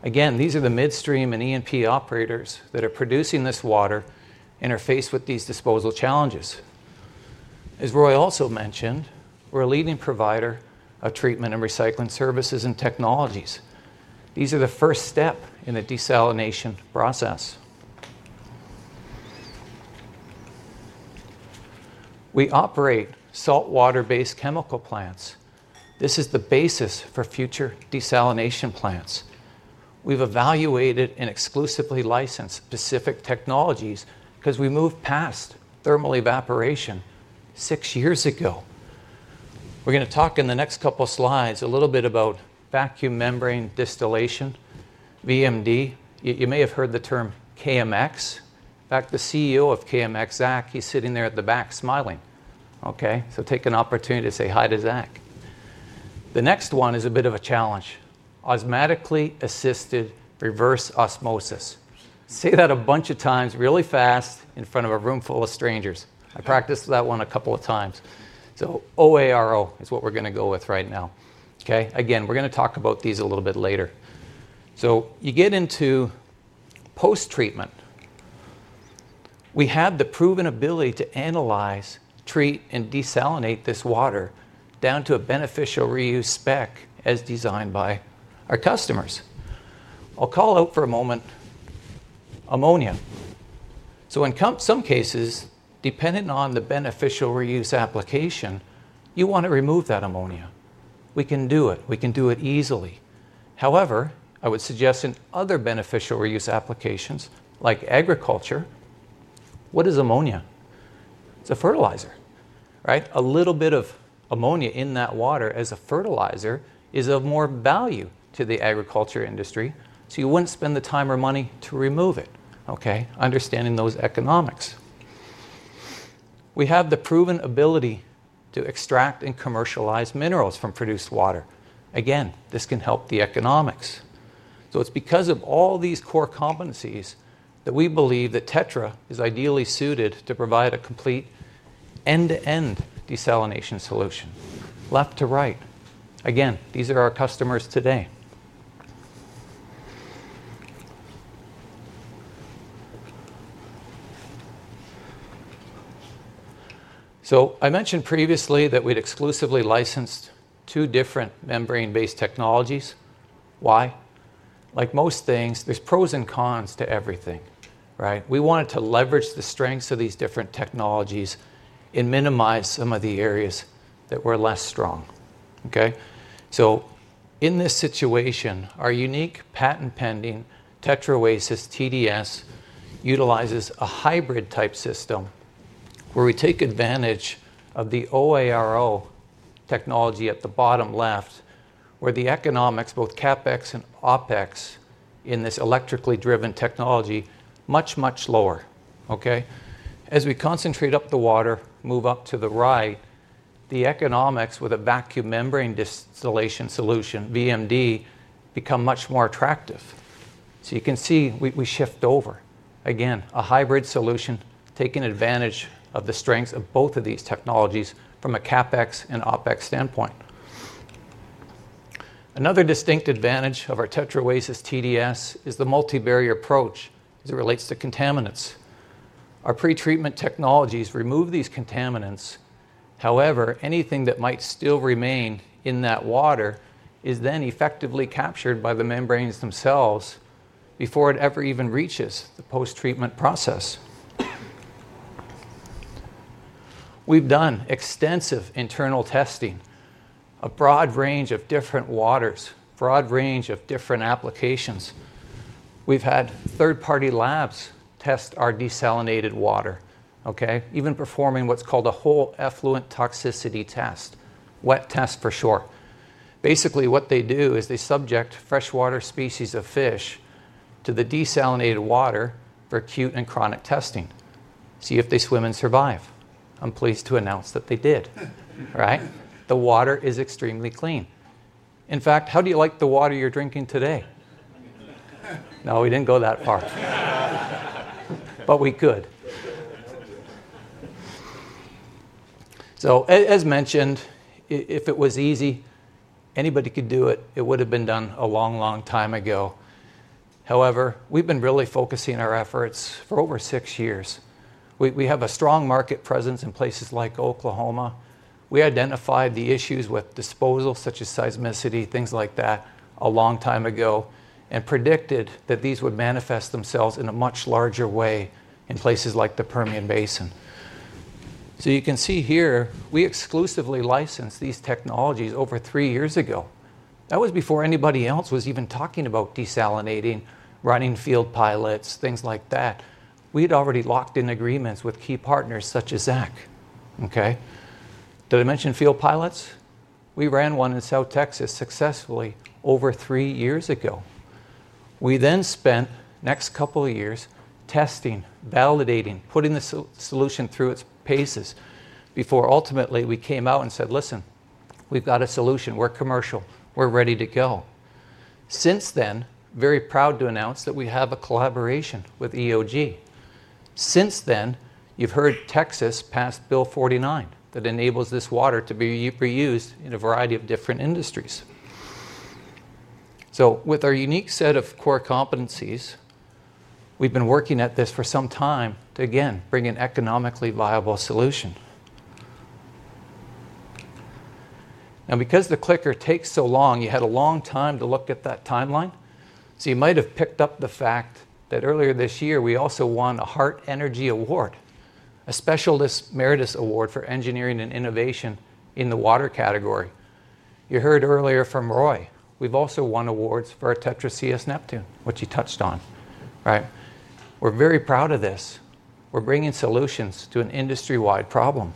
These are the midstream and E&P operators that are producing this water and are faced with these disposal challenges. As Roy also mentioned, we're a leading provider of treatment and recycling services and technologies. These are the first step in the desalination process. We operate saltwater-based chemical plants. This is the basis for future desalination plants. We've evaluated and exclusively licensed specific technologies because we moved past thermal evaporation six years ago. We're going to talk in the next couple of slides a little bit about vacuum membrane distillation, VMD. You may have heard the term KMX. In fact, the CEO of KMX, Zach, he's sitting there at the back smiling. Take an opportunity to say hi to Zach. The next one is a bit of a challenge. Osmatically assisted reverse osmosis. Say that a bunch of times really fast in front of a room full of strangers. I practiced that one a couple of times. OARO is what we're going to go with right now. We're going to talk about these a little bit later. You get into post-treatment. We have the proven ability to analyze, treat, and desalinate this water down to a beneficial reuse spec as designed by our customers. I'll call out for a moment: ammonia. In some cases, depending on the beneficial reuse application, you want to remove that ammonia. We can do it. We can do it easily. However, I would suggest in other beneficial reuse applications, like agriculture, what is ammonia? It's a fertilizer, right? A little bit of ammonia in that water as a fertilizer is of more value to the agriculture industry, so you wouldn't spend the time or money to remove it. Okay, understanding those economics. We have the proven ability to extract and commercialize minerals from produced water. Again, this can help the economics. It's because of all these core competencies that we believe that TETRA Technologies is ideally suited to provide a complete end-to-end desalination solution. Left to right. These are our customers today. I mentioned previously that we'd exclusively licensed two different membrane-based technologies. Why? Like most things, there's pros and cons to everything, right? We wanted to leverage the strengths of these different technologies and minimize some of the areas that were less strong. In this situation, our unique patent-pending TETRA OASIS TDS utilizes a hybrid type system where we take advantage of the OARO technology at the bottom left, where the economics, both CapEx and OpEx in this electrically driven technology, are much, much lower. As we concentrate up the water, move up to the right, the economics with a vacuum membrane distillation solution, VMD, become much more attractive. You can see we shift over. A hybrid solution taking advantage of the strengths of both of these technologies from a CapEx and OpEx standpoint. Another distinct advantage of our TETRA OASIS TDS is the multi-barrier approach as it relates to contaminants. Our pre-treatment technologies remove these contaminants. However, anything that might still remain in that water is then effectively captured by the membranes themselves before it ever even reaches the post-treatment process. We've done extensive internal testing, a broad range of different waters, a broad range of different applications. We've had third-party labs test our desalinated water, even performing what's called a whole effluent toxicity test, wet test for sure. Basically, what they do is they subject freshwater species of fish to the desalinated water for acute and chronic testing, see if they swim and survive. I'm pleased to announce that they did. The water is extremely clean. In fact, how do you like the water you're drinking today? No, we didn't go that far. We could. As mentioned, if it was easy, anybody could do it. It would have been done a long, long time ago. However, we've been really focusing our efforts for over six years. We have a strong market presence in places like Oklahoma. We identified the issues with disposal, such as seismicity, things like that, a long time ago, and predicted that these would manifest themselves in a much larger way in places like the Permian Basin. You can see here, we exclusively licensed these technologies over three years ago. That was before anybody else was even talking about desalinating, running field pilots, things like that. We'd already locked in agreements with key partners such as Zach. Did I mention field pilots? We ran one in South Texas successfully over three years ago. We then spent the next couple of years testing, validating, putting the solution through its paces before ultimately we came out and said, "Listen, we've got a solution. We're commercial. We're ready to go." Since then, very proud to announce that we have a collaboration with EOG. You've heard Texas passed Bill 49 that enables this water to be reused in a variety of different industries. With our unique set of core competencies, we've been working at this for some time to, again, bring an economically viable solution. Now, because the clicker takes so long, you had a long time to look at that timeline, so you might have picked up the fact that earlier this year we also won a Heart Energy Award, a Specialist Meritus Award for Engineering and Innovation in the Water category. You heard earlier from Roy, we've also won awards for our TETRA CS Neptune, which he touched on, right? We're very proud of this. We're bringing solutions to an industry-wide problem.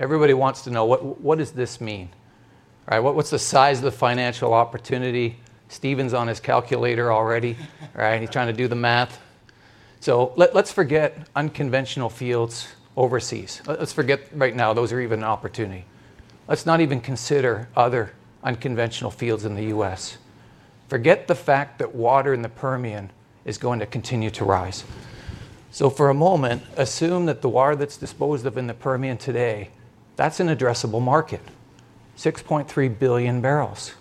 Everybody wants to know what does this mean, right? What's the size of the financial opportunity? Stephen's on his calculator already, right? He's trying to do the math. Forget unconventional fields overseas. Forget right now those are even an opportunity. Let's not even consider other unconventional fields in the U.S. Forget the fact that water in the Permian is going to continue to rise. For a moment, assume that the water that's disposed of in the Permian today, that's an addressable market: 6.3 billion barrels.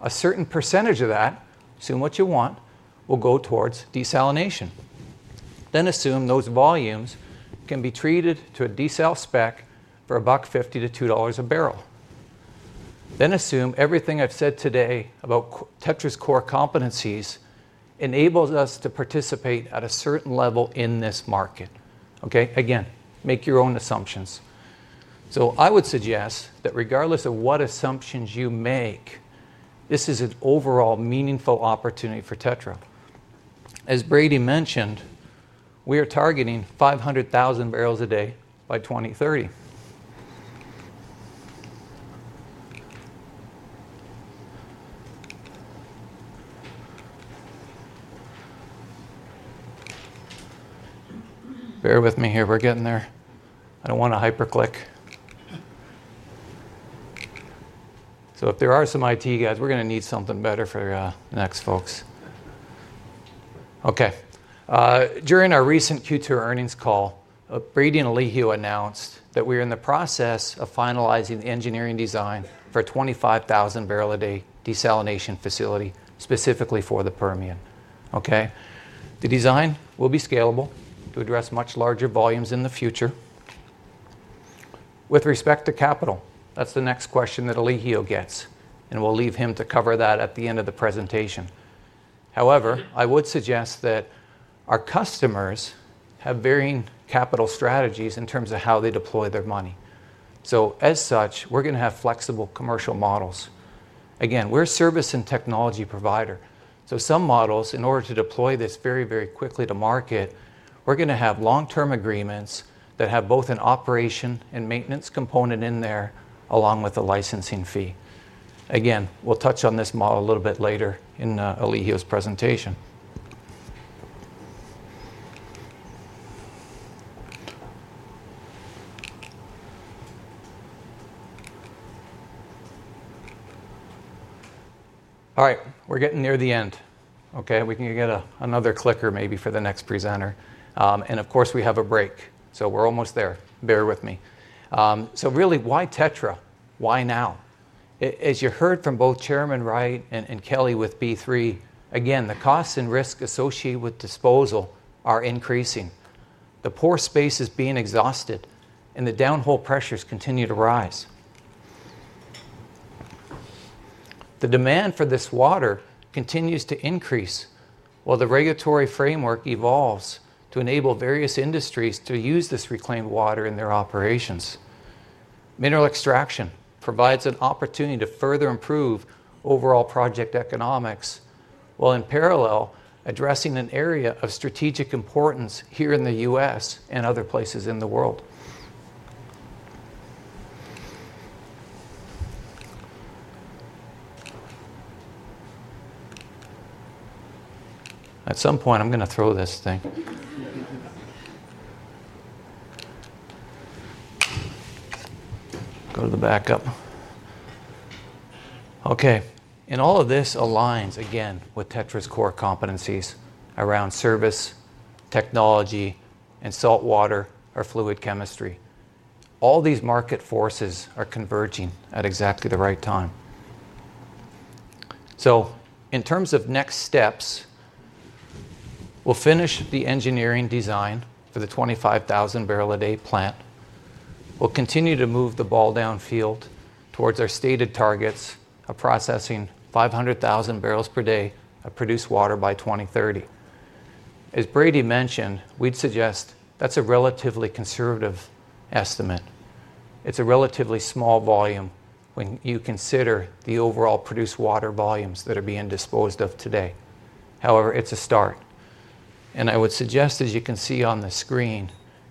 A certain % of that, assume what you want, will go towards desalination. Assume those volumes can be treated to a desal spec for $1.50 to $2 a barrel. Assume everything I've said today about TETRA's core competencies enables us to participate at a certain level in this market. Again, make your own assumptions. I would suggest that regardless of what assumptions you make, this is an overall meaningful opportunity for TETRA. As Brady mentioned, we are targeting 500,000 barrels a day by 2030. Bear with me here, we're getting there. I don't want to hyperclick. If there are some IT guys, we're going to need something better for the next folks. During our recent Q2 earnings call, Brady and Kurt Hallead announced that we're in the process of finalizing the engineering design for a 25,000-barrel-a-day desalination facility specifically for the Permian. The design will be scalable to address much larger volumes in the future. With respect to capital, that's the next question that Kurt Hallead gets, and we'll leave him to cover that at the end of the presentation. I would suggest that our customers have varying capital strategies in terms of how they deploy their money. As such, we're going to have flexible commercial models. Again, we're a service and technology provider. Some models, in order to deploy this very, very quickly to market, we're going to have long-term agreements that have both an operation and maintenance component in there, along with a licensing fee. We'll touch on this model a little bit later in Kurt Hallead's presentation. We're getting near the end. We can get another clicker maybe for the next presenter. Of course, we have a break. We're almost there. Bear with me. Really, why TETRA? Why now? As you heard from both Chairman Wright and Kelly with B3, the costs and risks associated with disposal are increasing. The pore space is being exhausted, and the downhole pressures continue to rise. The demand for this water continues to increase while the regulatory framework evolves to enable various industries to use this reclaimed water in their operations. Mineral extraction provides an opportunity to further improve overall project economics while in parallel addressing an area of strategic importance here in the U.S. and other places in the world. At some point, I'm going to throw this thing. Go to the backup. All of this aligns again with TETRA's core competencies around service, technology, and saltwater or fluid chemistry. All these market forces are converging at exactly the right time. In terms of next steps, we'll finish the engineering design for the 25,000-barrel-a-day plant. We'll continue to move the ball downfield towards our stated targets of processing 500,000 barrels per day of produced water by 2030. As Brady mentioned, we'd suggest that's a relatively conservative estimate. It's a relatively small volume when you consider the overall produced water volumes that are being disposed of today. However, it's a start. I would suggest, as you can see on the screen,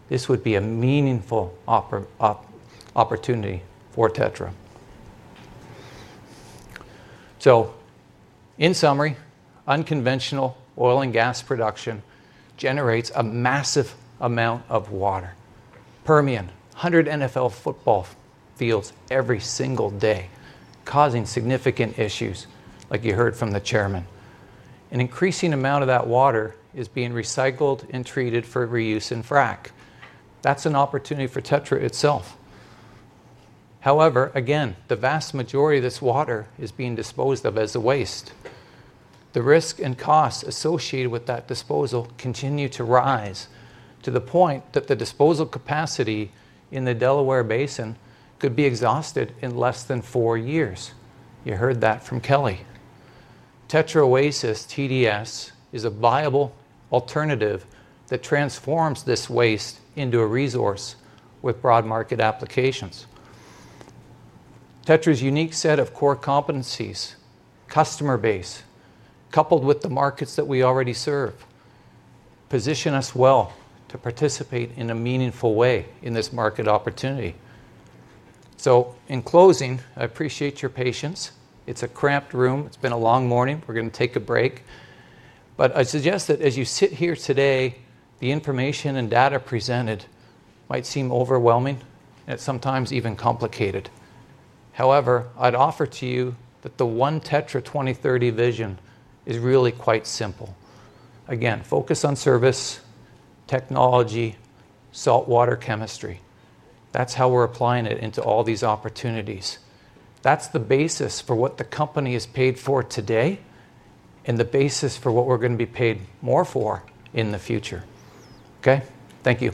this would be a meaningful opportunity for TETRA. In summary, unconventional oil and gas production generates a massive amount of water. Permian, 100 NFL football fields every single day, causing significant issues, like you heard from the Chairman. An increasing amount of that water is being recycled and treated for reuse in frack. That's an opportunity for TETRA itself. However, again, the vast majority of this water is being disposed of as a waste. The risk and costs associated with that disposal continue to rise to the point that the disposal capacity in the Delaware Basin could be exhausted in less than four years. You heard that from Kelly. TETRA OASIS TDS is a viable alternative that transforms this waste into a resource with broad market applications. TETRA's unique set of core competencies, customer base, coupled with the markets that we already serve, position us well to participate in a meaningful way in this market opportunity. In closing, I appreciate your patience. It's a cramped room. It's been a long morning. We're going to take a break. I'd suggest that as you sit here today, the information and data presented might seem overwhelming and sometimes even complicated. However, I'd offer to you that the one TETRA 2030 vision is really quite simple. Again, focus on service, technology, saltwater chemistry. That's how we're applying it into all these opportunities. That's the basis for what the company is paid for today and the basis for what we're going to be paid more for in the future. Okay? Thank you.